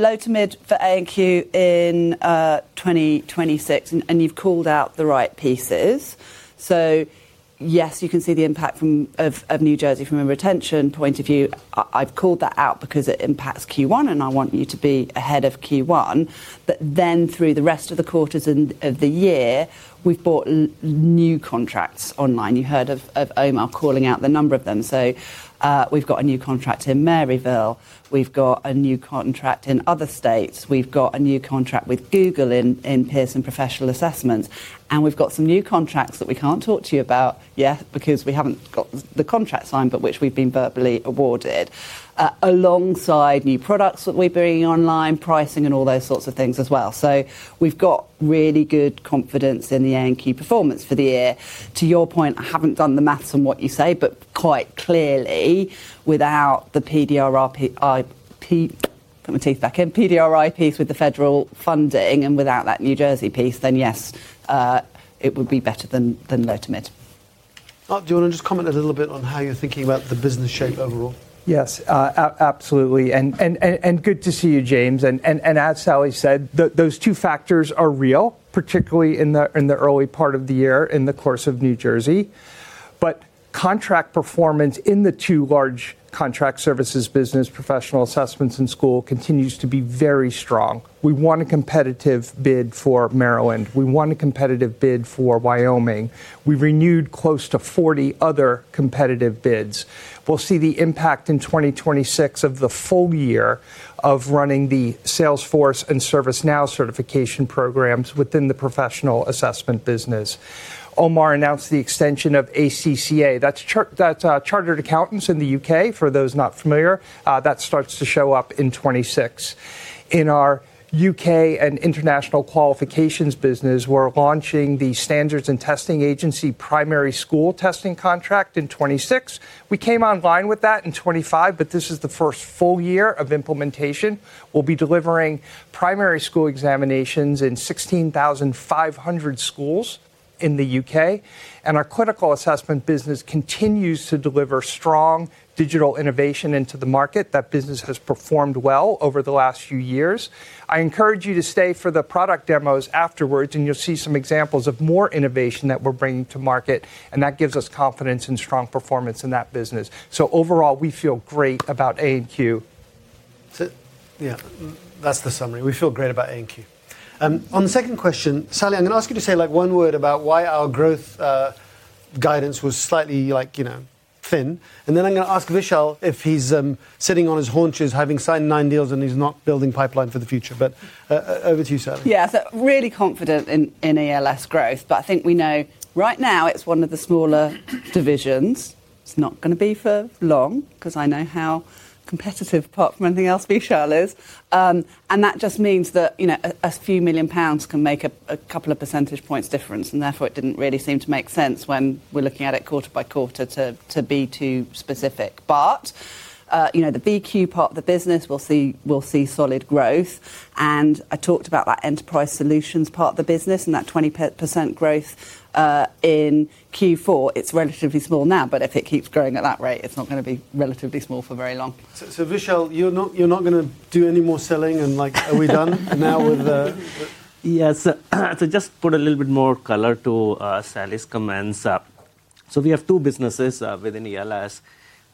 Low to mid for A&Q in 2026, and you've called out the right pieces. Yes, you can see the impact from of New Jersey from a retention point of view. I've called that out because it impacts Q1, and I want you to be ahead of Q1. Through the rest of the quarters and of the year, we've bought new contracts online. You heard of Omar calling out the number of them. We've got a new contract in Maryville University, we've got a new contract in other states. We've got a new contract with Google in Pearson Professional Assessments, and we've got some new contracts that we can't talk to you about yet because we haven't got the contract signed, but which we've been verbally awarded, alongside new products that we're bringing online, pricing and all those sorts of things as well. We've got really good confidence in the A&Q performance for the year. To your point, I haven't done the maths on what you say, but quite clearly, without the PDRI piece with the federal funding and without that New Jersey piece, then yes, it would be better than low to mid. Art, do you want to just comment a little bit on how you're thinking about the business shape overall? Yes, absolutely, and good to see you, James. As Sally said, those two factors are real, particularly in the early part of the year in the course of New Jersey. Contract performance in the two large contract services business, Professional Assessments, and school, continues to be very strong. We won a competitive bid for Maryland. We won a competitive bid for Wyoming. We renewed close to 40 other competitive bids. We'll see the impact in 2026 of the full year of running the Salesforce and ServiceNow certification programs within the Professional Assessment business. Omar announced the extension of ACCA. That's chartered accountants in the U.K., for those not familiar. That starts to show up in 2026. In our U.K. and international qualifications business, we're launching the Standards and Testing Agency primary school testing contract in 2026. We came online with that in 2025, this is the first full year of implementation. We'll be delivering primary school examinations in 16,500 schools in the U.K., our critical assessment business continues to deliver strong digital innovation into the market. That business has performed well over the last few years. I encourage you to stay for the product demos afterwards, you'll see some examples of more innovation that we're bringing to market, and that gives us confidence and strong performance in that business. Overall, we feel great about A&Q. Yeah, that's the summary. We feel great about A&Q. On the second question, Sally, I'm gonna ask you to say, like, one word about why our growth guidance was slightly, like, you know, thin. Then I'm gonna ask Vishaal if he's sitting on his haunches, having signed nine deals, and he's not building pipeline for the future. Over to you, Sally. Really confident in ELS growth, but I think we know right now it's one of the smaller divisions. It's not gonna be for long, 'cause I know how competitive, apart from anything else, Vishaal is. That just means that, you know, a few million GBP can make a couple of percentage points difference, and therefore it didn't really seem to make sense when we're looking at it quarter-by-quarter to be too specific. You know, the VQ part of the business, we'll see solid growth. I talked about that enterprise solutions part of the business and that 20% growth in Q4. It's relatively small now, but if it keeps growing at that rate, it's not gonna be relatively small for very long. So Vishaal, you're not gonna do any more selling, and, like are we done now with the? Yes. Just put a little bit more color to Sally's comments. We have two businesses within ELS.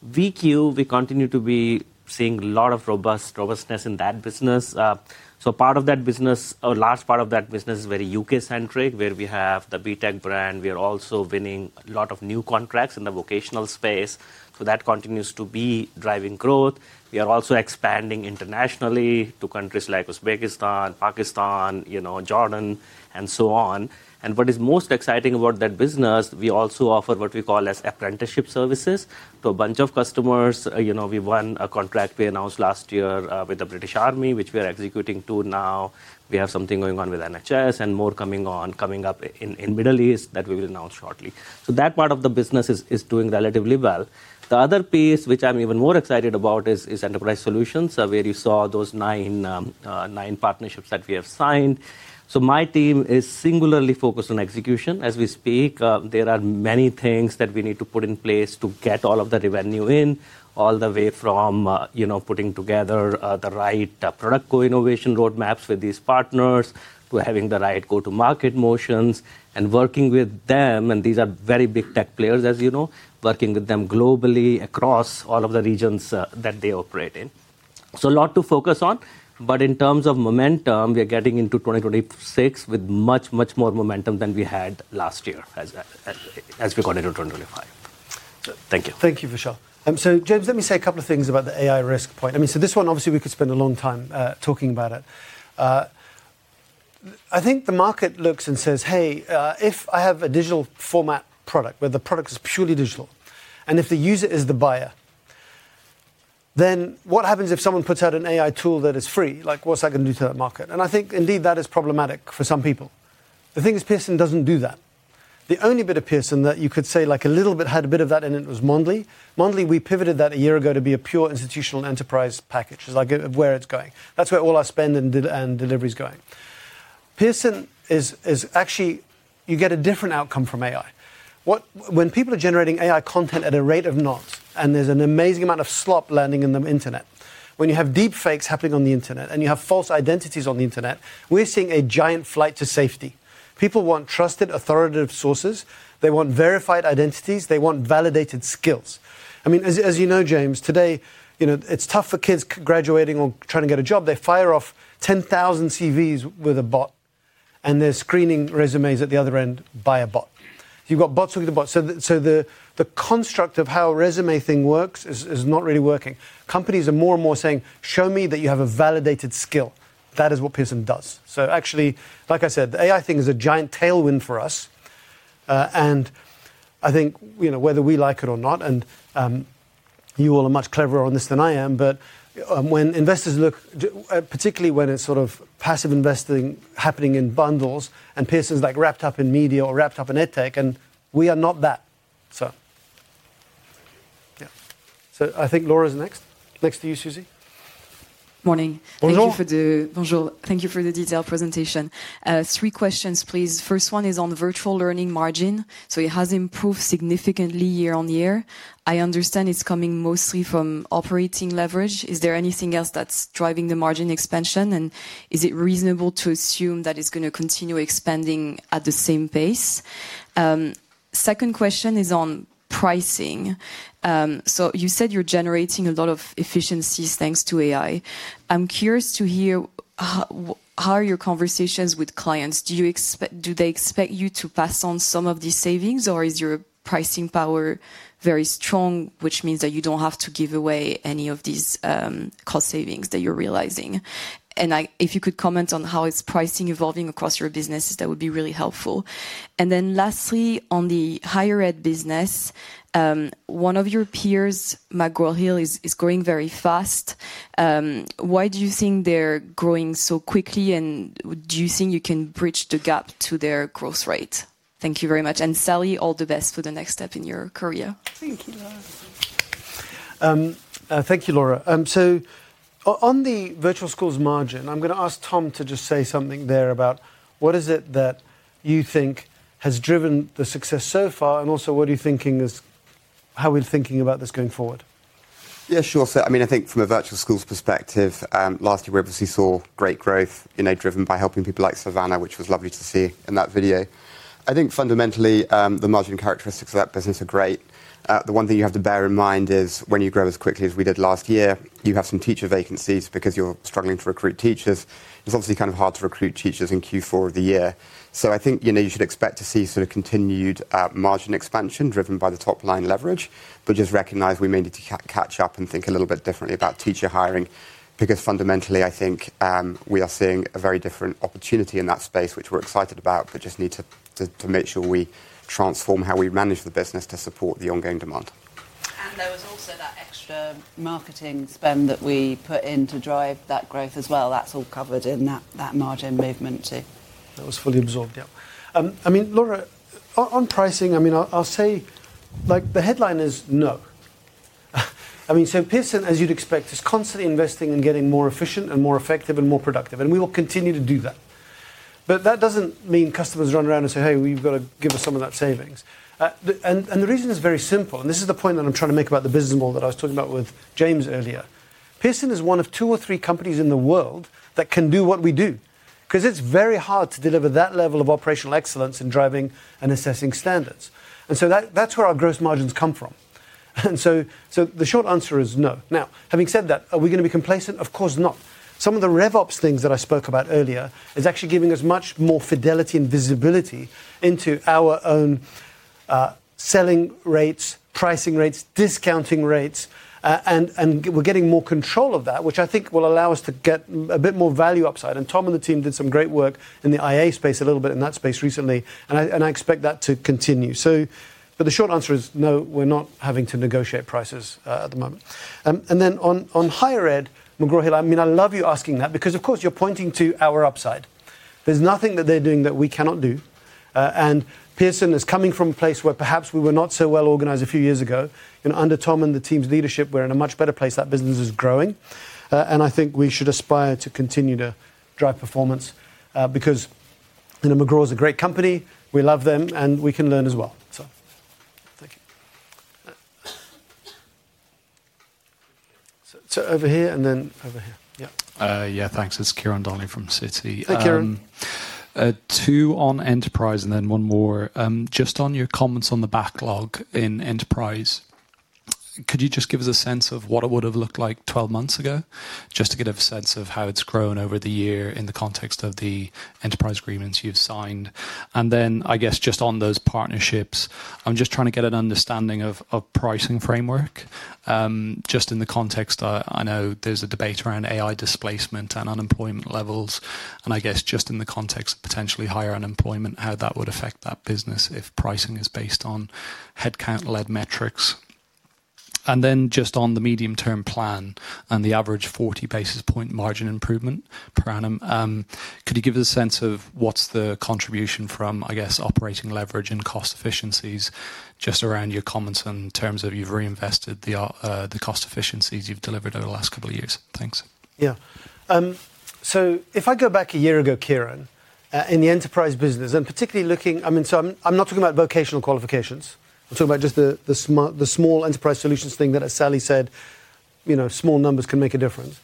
VQ, we continue to be seeing a lot of robust robustness in that business. Part of that business, or a large part of that business, is very U.K.-centric, where we have the BTEC brand. We are also winning a lot of new contracts in the vocational space, so that continues to be driving growth. We are also expanding internationally to countries like Uzbekistan, Pakistan, you know, Jordan, and so on. What is most exciting about that business, we also offer what we call as apprenticeship services to a bunch of customers. You know, we won a contract we announced last year with the British Army, which we are executing to now. We have something going on with NHS and more coming on, coming up in Middle East that we will announce shortly. That part of the business is doing relatively well. The other piece, which I'm even more excited about, is enterprise solutions, where you saw those nine partnerships that we have signed. My team is singularly focused on execution as we speak. There are many things that we need to put in place to get all of the revenue in, all the way from, you know, putting together the right product co-innovation roadmaps with these partners, to having the right go-to-market motions and working with them, and these are very big tech players, as you know, working with them globally across all of the regions that they operate in. A lot to focus on, but in terms of momentum, we are getting into 2026 with much, much more momentum than we had last year as we got into 2025. Thank you. Thank you, Vishaal. James, let me say a couple of things about the AI risk point. I mean, this one, obviously, we could spend a long time talking about it. I think the market looks and says: Hey, if I have a digital format product, where the product is purely digital, and if the user is the buyer, then what happens if someone puts out an AI tool that is free? Like, what's that gonna do to that market? I think, indeed, that is problematic for some people. The thing is, Pearson doesn't do that. The only bit of Pearson that you could say, like a little bit, had a bit of that in it was Mondly. Mondly, we pivoted that a year ago to be a pure institutional enterprise package. It's like where it's going. That's where all our spend and delivery is going. Pearson is actually. You get a different outcome from AI. When people are generating AI content at a rate of knots, and there's an amazing amount of slop landing in the Internet, when you have deepfakes happening on the Internet, and you have false identities on the Internet, we're seeing a giant flight to safety. People want trusted, authoritative sources. They want verified identities. They want validated skills. I mean, as you know, James, today, you know, it's tough for kids graduating or trying to get a job. They fire off 10,000 CVs with a bot. They're screening resumes at the other end by a bot. You've got bots with the bots. The construct of how a resume thing works is not really working. Companies are more and more saying: Show me that you have a validated skill. That is what Pearson does. Actually, like I said, the AI thing is a giant tailwind for us, and I think, you know, whether we like it or not, and you all are much cleverer on this than I am, but when investors look, particularly when it's sort of passive investing happening in bundles, and Pearson's, like, wrapped up in media or wrapped up in edtech, and we are not that. Thank you. Yeah. I think Laura is next. Next to you, Susie. Morning. Bonjour. Thank you for the bonjour. Thank you for the detailed presentation. Three questions, please. First one is on virtual learning margin. It has improved significantly year-on-year. I understand it's coming mostly from operating leverage. Is there anything else that's driving the margin expansion, and is it reasonable to assume that it's gonna continue expanding at the same pace? Second question is on pricing. You said you're generating a lot of efficiencies thanks to AI. I'm curious to hear, how are your conversations with clients? Do they expect you to pass on some of these savings, or is your pricing power very strong, which means that you don't have to give away any of these cost savings that you're realizing? If you could comment on how is pricing evolving across your businesses, that would be really helpful. Lastly, on the higher ed business, one of your peers, McGraw Hill, is growing very fast. Why do you think they're growing so quickly, and do you think you can bridge the gap to their growth rate? Thank you very much, Sally, all the best for the next step in your career. Thank you, Laura. Thank you, Laura. On the virtual schools margin, I'm gonna ask Tom to just say something there about what is it that you think has driven the success so far, and also, how we're thinking about this going forward? Yeah, sure. I mean, I think from a virtual schools perspective, last year we obviously saw great growth, you know, driven by helping people like Savannah, which was lovely to see in that video. I think fundamentally, the margin characteristics of that business are great. The one thing you have to bear in mind is when you grow as quickly as we did last year, you have some teacher vacancies because you're struggling to recruit teachers. It's obviously kind of hard to recruit teachers in Q4 of the year. I think, you know, you should expect to see sort of continued, margin expansion driven by the top-line leverage. Just recognize we may need to catch up and think a little bit differently about teacher hiring, because fundamentally, I think, we are seeing a very different opportunity in that space, which we're excited about, but just need to make sure we transform how we manage the business to support the ongoing demand. There was also that extra marketing spend that we put in to drive that growth as well. That's all covered in that margin movement too. That was fully absorbed, yeah. I mean, Laura, on pricing, I mean, I'll say, like the headline is no. I mean, Pearson, as you'd expect, is constantly investing in getting more efficient and more effective and more productive, and we will continue to do that. That doesn't mean customers run around and say, "Hey, well, you've got to give us some of that savings." The reason is very simple, and this is the point that I'm trying to make about the business model that I was talking about with James earlier. Pearson is one of two or three companies in the world that can do what we do, 'cause it's very hard to deliver that level of operational excellence in driving and assessing standards, and so that's where our gross margins come from. The short answer is no. Having said that, are we gonna be complacent? Of course not. Some of the RevOps things that I spoke about earlier is actually giving us much more fidelity and visibility into our own selling rates, pricing rates, discounting rates, and we're getting more control of that, which I think will allow us to get a bit more value upside. Tom and the team did some great work in the IA space, a little bit in that space recently, and I expect that to continue. But the short answer is no, we're not having to negotiate prices at the moment. Then on higher ed, McGraw Hill, I mean, I love you asking that because, of course, you're pointing to our upside. There's nothing that they're doing that we cannot do, and Pearson is coming from a place where perhaps we were not so well organized a few years ago, and under Tom and the team's leadership, we're in a much better place. That business is growing, and I think we should aspire to continue to drive performance, because, you know, McGraw is a great company, we love them, and we can learn as well. Thank you. Over here and then over here. Yeah. Yeah, thanks. It's Ciaran Donnelly from Citi. Hey, Ciaran. Two on Enterprise and then one more. Just on your comments on the backlog in Enterprise, could you just give us a sense of what it would have looked like 12 months ago, just to get a sense of how it's grown over the year in the context of the enterprise agreements you've signed? I guess, just on those partnerships, I'm just trying to get an understanding of pricing framework. Just in the context, I know there's a debate around AI displacement and unemployment levels, and I guess just in the context of potentially higher unemployment, how that would affect that business if pricing is based on headcount-led metrics. Just on the medium-term plan and the average 40 basis point margin improvement per annum, could you give us a sense of what's the contribution from, I guess, operating leverage and cost efficiencies, just around your comments in terms of you've reinvested the cost efficiencies you've delivered over the last couple of years? Thanks. Yeah. If I go back a year ago, Ciaran, in the enterprise business, and particularly looking, I mean, I'm not talking about vocational qualifications. I'm talking about just the small enterprise solutions thing that, as Sally said, you know, small numbers can make a difference.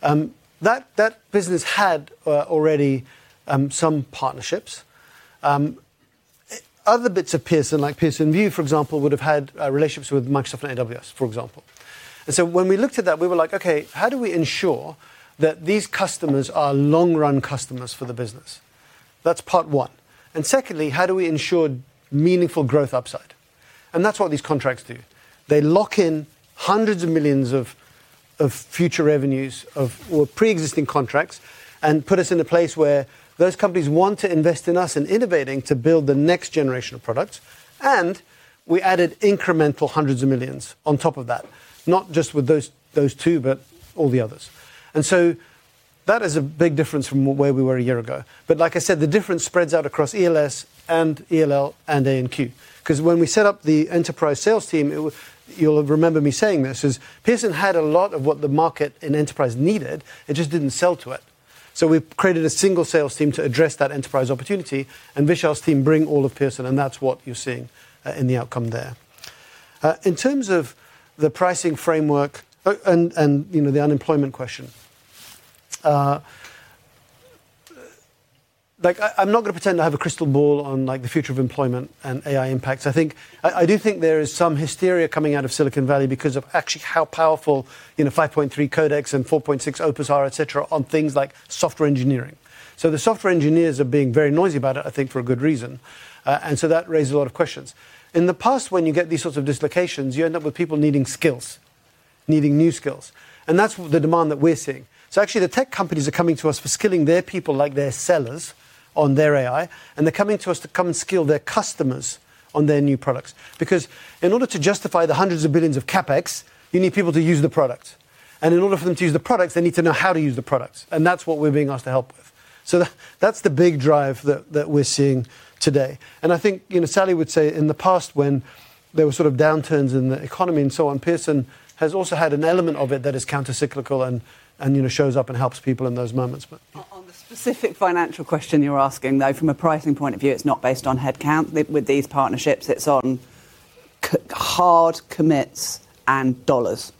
That business had already some partnerships. Other bits of Pearson, like Pearson VUE, for example, would have had relationships with Microsoft and AWS, for example. When we looked at that, we were like: Okay, how do we ensure that these customers are long-run customers for the business? That's part one. Secondly, how do we ensure meaningful growth upside? That's what these contracts do. They lock in hundreds of millions of future revenues. or pre-existing contracts, and put us in a place where those companies want to invest in us in innovating to build the next generation of products. we added incremental GBP hundreds of millions on top of that, not just with those two, but all the others. that is a big difference from where we were a year ago. like I said, the difference spreads out across ELS and ELL and A&Q. 'Cause when we set up the enterprise sales team, you'll remember me saying this, is Pearson had a lot of what the market and enterprise needed, it just didn't sell to it. we've created a single sales team to address that enterprise opportunity, and Vishaal's team bring all of Pearson, and that's what you're seeing in the outcome there. In terms of the pricing framework, and, you know, the unemployment question, I'm not gonna pretend I have a crystal ball on the future of employment and AI impacts. I do think there is some hysteria coming out of Silicon Valley because of actually how powerful, you know, 5.3 Codex and 4.6 Opus are, et cetera, on things like software engineering. The software engineers are being very noisy about it, I think, for a good reason. That raises a lot of questions. In the past, when you get these sorts of dislocations, you end up with people needing skills, needing new skills, and that's the demand that we're seeing. Actually, the tech companies are coming to us for skilling their people, like their sellers, on their AI, and they're coming to us to come and skill their customers on their new products. Because in order to justify the hundreds of billions of CapEx, you need people to use the product, and in order for them to use the product, they need to know how to use the product, and that's what we're being asked to help with. That's the big drive that we're seeing today. I think, you know, Sally would say in the past, when there were sort of downturns in the economy and so on, Pearson has also had an element of it that is countercyclical and, you know, shows up and helps people in those moments. Specific financial question you're asking, though, from a pricing point of view, it's not based on headcount. With these partnerships, it's on hard commits and dollars.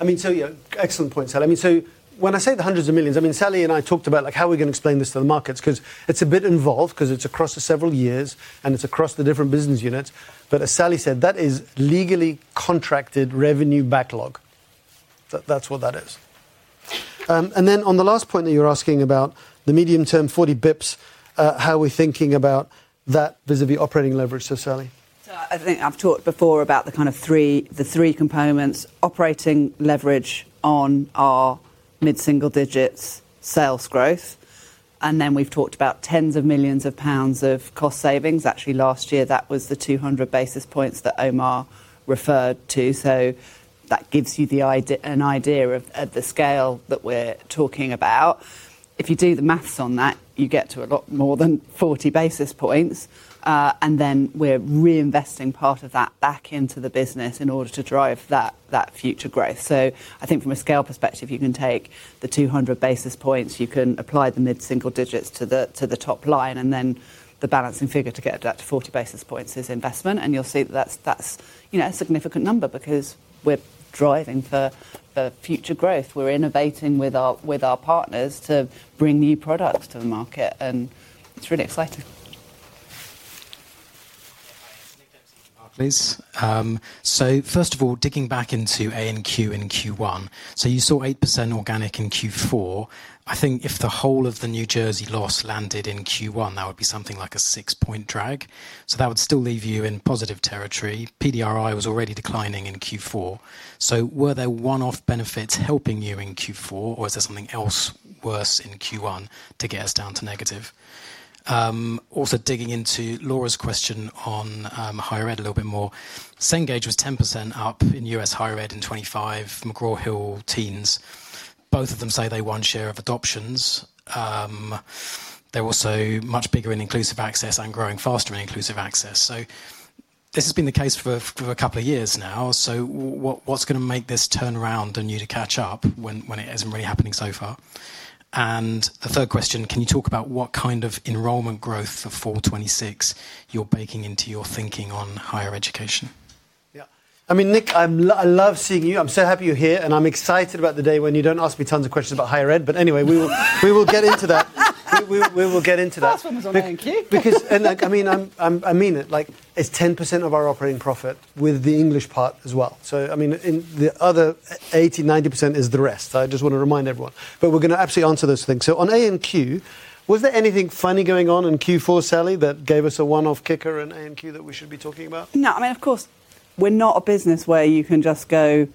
I mean, yeah, excellent point, Sally. I mean, when I say the hundreds of millions, I mean, Sally and I talked about, like, how are we gonna explain this to the markets? 'Cause it's a bit involved, 'cause it's across several years, and it's across the different business units. As Sally said, that is legally contracted revenue backlog. That's what that is. On the last point that you're asking about, the medium-term 40 bips, how we're thinking about that vis-a-vis operating leverage. Sally? I think I've talked before about the three components, operating leverage on our mid-single digits sales growth, and then we've talked about tens of millions of GBP of cost savings. Actually, last year, that was the 200 basis points that Omar referred to. That gives you the idea of the scale that we're talking about. If you do the math on that, you get to a lot more than 40 basis points, and then we're reinvesting part of that back into the business in order to drive that future growth. I think from a scale perspective, you can take the 200 basis points, you can apply the mid-single digits to the top line, and then the balancing figure to get it back to 40 basis points is investment. You'll see that that's, you know, a significant number because we're driving for future growth. We're innovating with our partners to bring new products to the market. It's really exciting. Please. First of all, digging back into A&Q in Q1. You saw 8% organic in Q4. I think if the whole of the New Jersey loss landed in Q1, that would be something like a 6-point drag. That would still leave you in positive territory. PDRI was already declining in Q4. Were there one-off benefits helping you in Q4, or is there something else worse in Q1 to get us down to negative? Digging into Laura's question on higher ed a little bit more. Cengage was 10% up in U.S. higher ed in 25, McGraw Hill, teens. Both of them say they won share of adoptions. They're also much bigger in inclusive access and growing faster in inclusive access. This has been the case for a couple of years now. What's gonna make this turn around and you to catch up when it isn't really happening so far? The third question, can you talk about what kind of enrollment growth for fall 2026 you're baking into your thinking on higher education? Yeah. I mean, Nick, I love seeing you. I'm so happy you're here, and I'm excited about the day when you don't ask me tons of questions about higher ed. Anyway, we will get into that. We will get into that. First one was on A&Q. Like, I mean it, like, it's 10% of our operating profit with the English part as well. I mean, in the other 80%, 90% is the rest. I just want to remind everyone. We're gonna absolutely answer those things. On A&Q, was there anything funny going on in Q4, Sally, that gave us a one-off kicker in A&Q that we should be talking about? No, I mean, of course, we're not a business where you can just go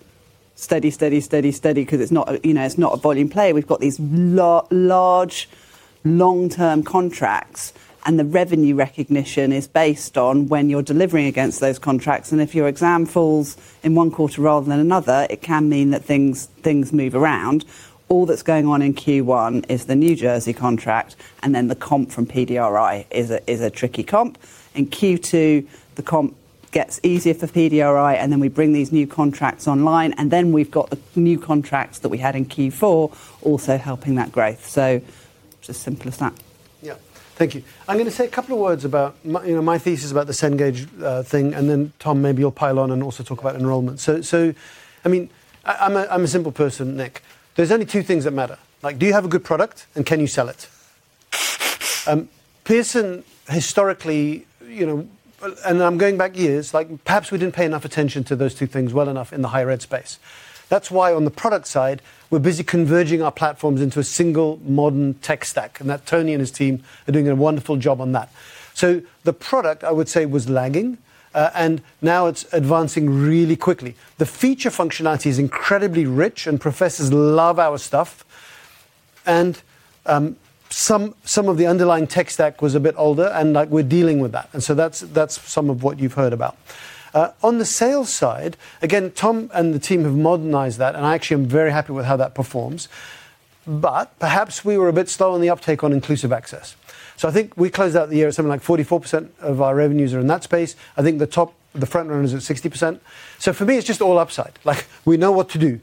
steady, steady, 'cause it's not, you know, it's not a volume play. We've got these large, long-term contracts. The revenue recognition is based on when you're delivering against those contracts. If your exam falls in one quarter rather than another, it can mean that things move around. All that's going on in Q1 is the New Jersey contract. The comp from PDRI is a tricky comp. In Q2, the comp gets easier for PDRI. We bring these new contracts online. We've got the new contracts that we had in Q4 also helping that growth. It's as simple as that. Yeah. Thank you. I'm gonna say a couple of words about my, you know, my thesis about the Cengage thing, then, Tom, maybe you'll pile on and also talk about enrollment. I mean, I'm a simple person, Nick. There's only two things that matter. Like, do you have a good product, and can you sell it? Pearson, historically, you know, I'm going back years, like, perhaps we didn't pay enough attention to those two things well enough in the higher ed space. That's why, on the product side, we're busy converging our platforms into a single modern tech stack, that Tony and his team are doing a wonderful job on that. The product, I would say, was lagging, now it's advancing really quickly. The feature functionality is incredibly rich, and professors love our stuff, and some of the underlying tech stack was a bit older, and, like, we're dealing with that. That's some of what you've heard about. On the sales side, again, Tom and the team have modernized that, and I actually am very happy with how that performs. Perhaps we were a bit slow on the uptake on Inclusive Access. I think we closed out the year at something like 44% of our revenues are in that space. I think the top, the front runners are at 60%. For me, it's just all upside. Like, we know what to do.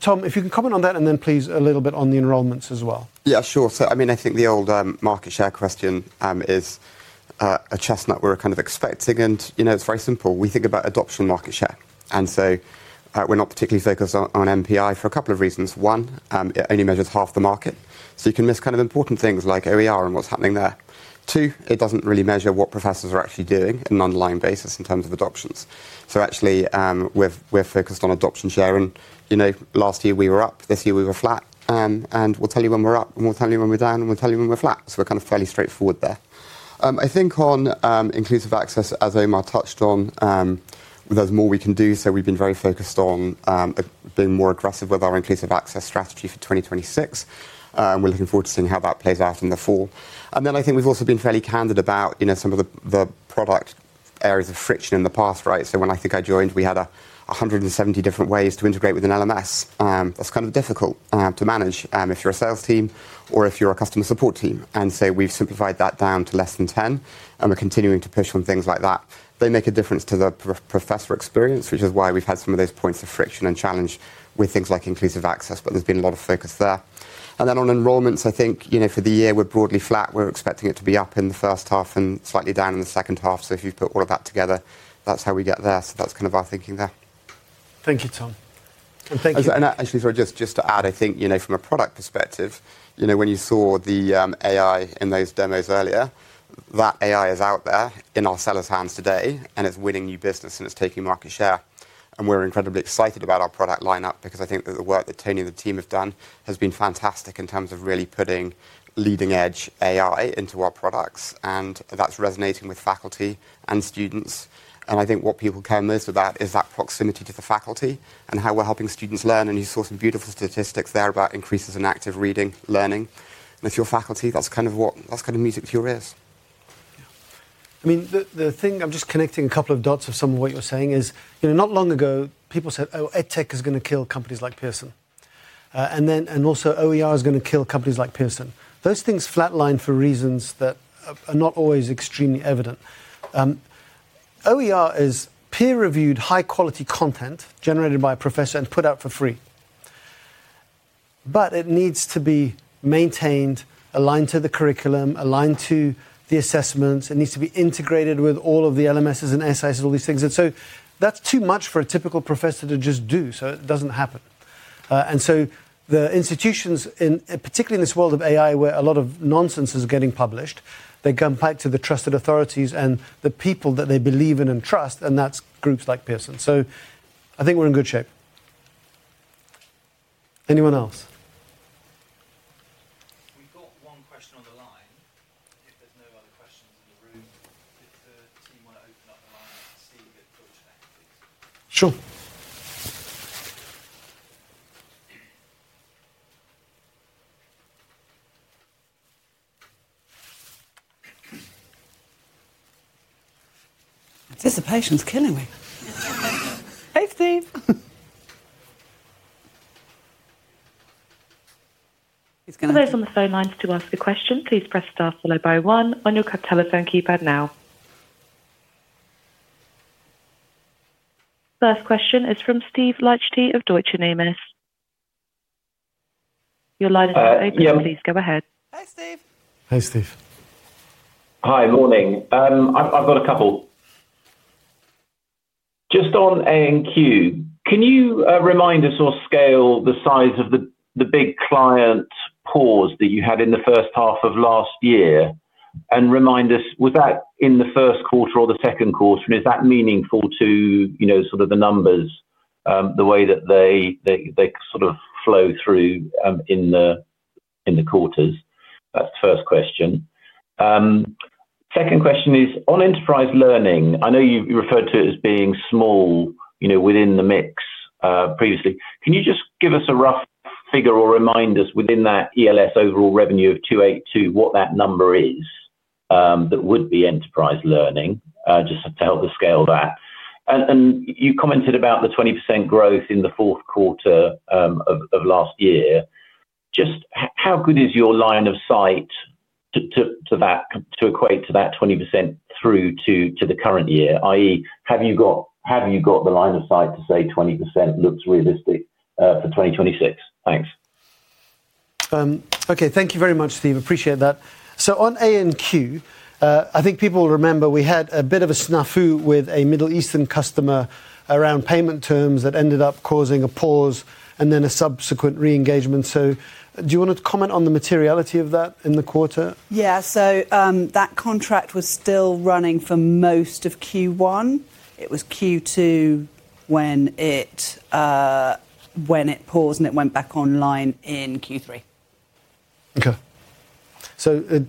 Tom, if you can comment on that and then please a little bit on the enrollments as well. Yeah, sure. I mean, I think the old market share question is a chestnut we're kind of expecting. You know, it's very simple. We think about adoption market share, we're not particularly focused on MPI for a couple of reasons. One, it only measures half the market, so you can miss kind of important things like OER and what's happening there. Two, it doesn't really measure what professors are actually doing in an online basis in terms of adoptions. Actually, we're focused on adoption share. You know, last year we were up, this year we were flat. We'll tell you when we're up, and we'll tell you when we're down, and we'll tell you when we're flat, so we're kind of fairly straightforward there. I think on Inclusive Access, as Omar touched on, there's more we can do, so we've been very focused on being more aggressive with our Inclusive Access strategy for 2026. We're looking forward to seeing how that plays out in the fall. Then I think we've also been fairly candid about, you know, some of the areas of friction in the past, right? So when I think I joined, we had 170 different ways to integrate with an LMS. That's kind of difficult to manage if you're a sales team or if you're a customer support team. So we've simplified that down to less than 10, and we're continuing to push on things like that. They make a difference to the professor experience, which is why we've had some of those points of friction and challenge with things like Inclusive Access. There's been a lot of focus there. On enrollments, I think, you know, for the year, we're broadly flat. We're expecting it to be up in the first half and slightly down in the second half. If you put all of that together, that's how we get there. That's kind of our thinking there. Thank you, Tom. Thank you. Actually, sorry, just to add, I think, you know, from a product perspective, you know, when you saw the AI in those demos earlier, that AI is out there in our sellers' hands today, and it's winning new business, and it's taking market share. We're incredibly excited about our product lineup because I think that the work that Tony and the team have done has been fantastic in terms of really putting leading-edge AI into our products, and that's resonating with faculty and students. I think what people care most about is that proximity to the faculty and how we're helping students learn, and you saw some beautiful statistics there about increases in active reading, learning. With your faculty, that's kind of that's kind of music to your ears. I mean, the thing... I'm just connecting a couple of dots of some of what you're saying is, you know, not long ago, people said, "Oh, EdTech is gonna kill companies like Pearson." Then, "And also, OER is gonna kill companies like Pearson." Those things flatlined for reasons that are not always extremely evident. OER is peer-reviewed, high-quality content generated by a professor and put out for free. It needs to be maintained, aligned to the curriculum, aligned to the assessments. It needs to be integrated with all of the LMSs and SIS, all these things. That's too much for a typical professor to just do, so it doesn't happen. The institutions in, particularly in this world of AI, where a lot of nonsense is getting published, they come back to the trusted authorities and the people that they believe in and trust, and that's groups like Pearson. I think we're in good shape. Anyone else? We've got one question on the line. If there's no other questions in the room, if the team want to open up the line to Steve at Deutsche Bank, please. Sure. Anticipation's killing me. Hey, Steve. For those on the phone lines to ask a question, please press star followed by one on your telephone keypad now. First question is from Steve Liechti of Deutsche Numis. Your line is now open. Please go ahead. Hi, Steve. Hi, Steve. Hi. Morning. I've got a couple. Just on A&Q, can you remind us or scale the size of the big client pause that you had in the first half of last year? Remind us, was that in the first quarter or the second quarter, and is that meaningful to, you know, sort of the numbers, the way that they sort of flow through in the quarters? That's the first question. Second question is, on enterprise learning, I know you referred to it as being small, you know, within the mix previously. Can you just give us a rough figure or remind us within that ELS overall revenue of 282, what that number is that would be enterprise learning just to help us scale that? You commented about the 20% growth in the fourth quarter of last year. Just how good is your line of sight to that, to equate to that 20% through to the current year, i.e., have you got the line of sight to say 20% looks realistic for 2026? Thanks. Okay. Thank you very much, Steve. Appreciate that. On A&Q, I think people will remember we had a bit of a snafu with a Middle Eastern customer around payment terms that ended up causing a pause and then a subsequent re-engagement. Do you want to comment on the materiality of that in the quarter? Yeah. That contract was still running for most of Q1. It was Q2 when it paused, and it went back online in Q3. Okay.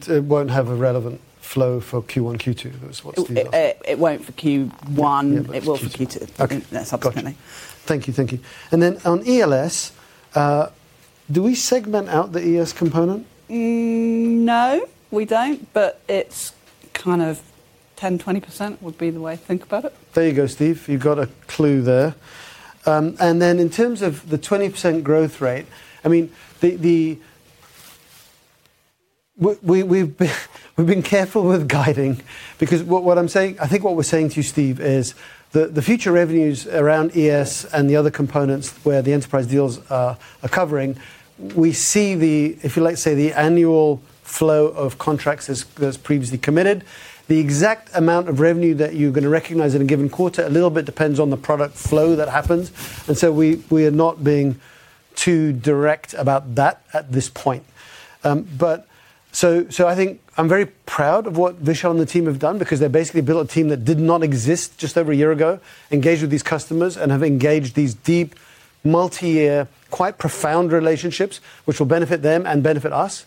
It won't have a relevant flow for Q1, Q2, is what you're? It won't for Q1. It will for Q2. Okay. Subsequently. Got you. Thank you. Thank you. Then on ELS, do we segment out the ES component? No, we don't, but it's kind of 10%-20% would be the way to think about it. There you go, Steve. You've got a clue there. In terms of the 20% growth rate, I mean, we've been careful with guiding because what I'm saying, I think what we're saying to you, Steve, is the future revenues around ES and the other components where the enterprise deals are covering, we see the, if you like, say, the annual flow of contracts as previously committed. The exact amount of revenue that you're gonna recognize in a given quarter, a little bit depends on the product flow that happens. So we are not being too direct about that at this point. I think I'm very proud of what Vishaal and the team have done because they basically built a team that did not exist just over a year ago, engaged with these customers and have engaged these deep, multi-year, quite profound relationships, which will benefit them and benefit us.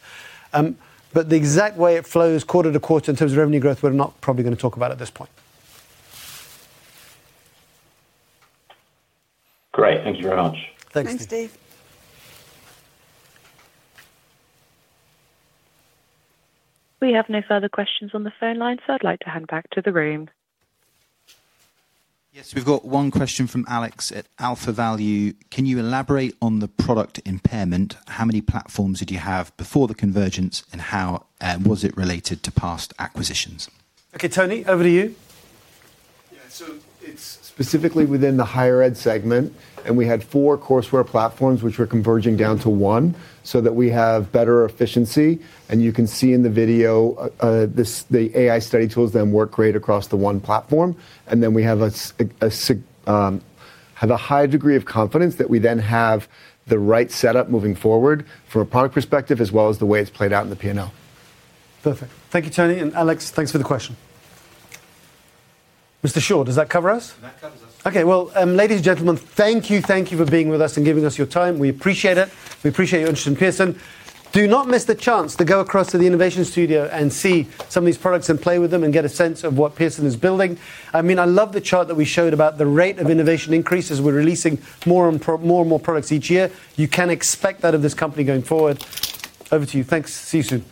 The exact way it flows quarter to quarter in terms of revenue growth, we're not probably gonna talk about at this point. Great. Thank you very much. Thanks, Steve. Thanks, Steve. We have no further questions on the phone line, so I'd like to hand back to the room. Yes, we've got one question from Alex at AlphaValue: Can you elaborate on the product impairment? How many platforms did you have before the convergence, how was it related to past acquisitions? Okay, Tony, over to you. Yeah. It's specifically within the higher ed segment, we had four courseware platforms, which we're converging down to one, so that we have better efficiency. You can see in the video, this, the AI study tools then work great across the one platform. We have a high degree of confidence that we then have the right setup moving forward from a product perspective, as well as the way it's played out in the P&L. Perfect. Thank you, Tony, and Alex, thanks for the question. Mr. Shaw, does that cover us? That covers us. Okay. Well, ladies and gentlemen, thank you for being with us and giving us your time. We appreciate it. We appreciate your interest in Pearson. Do not miss the chance to go across to the innovation studio and see some of these products and play with them and get a sense of what Pearson is building. I mean, I love the chart that we showed about the rate of innovation increase as we're releasing more and more products each year. You can expect that of this company going forward. Over to you. Thanks. See you soon.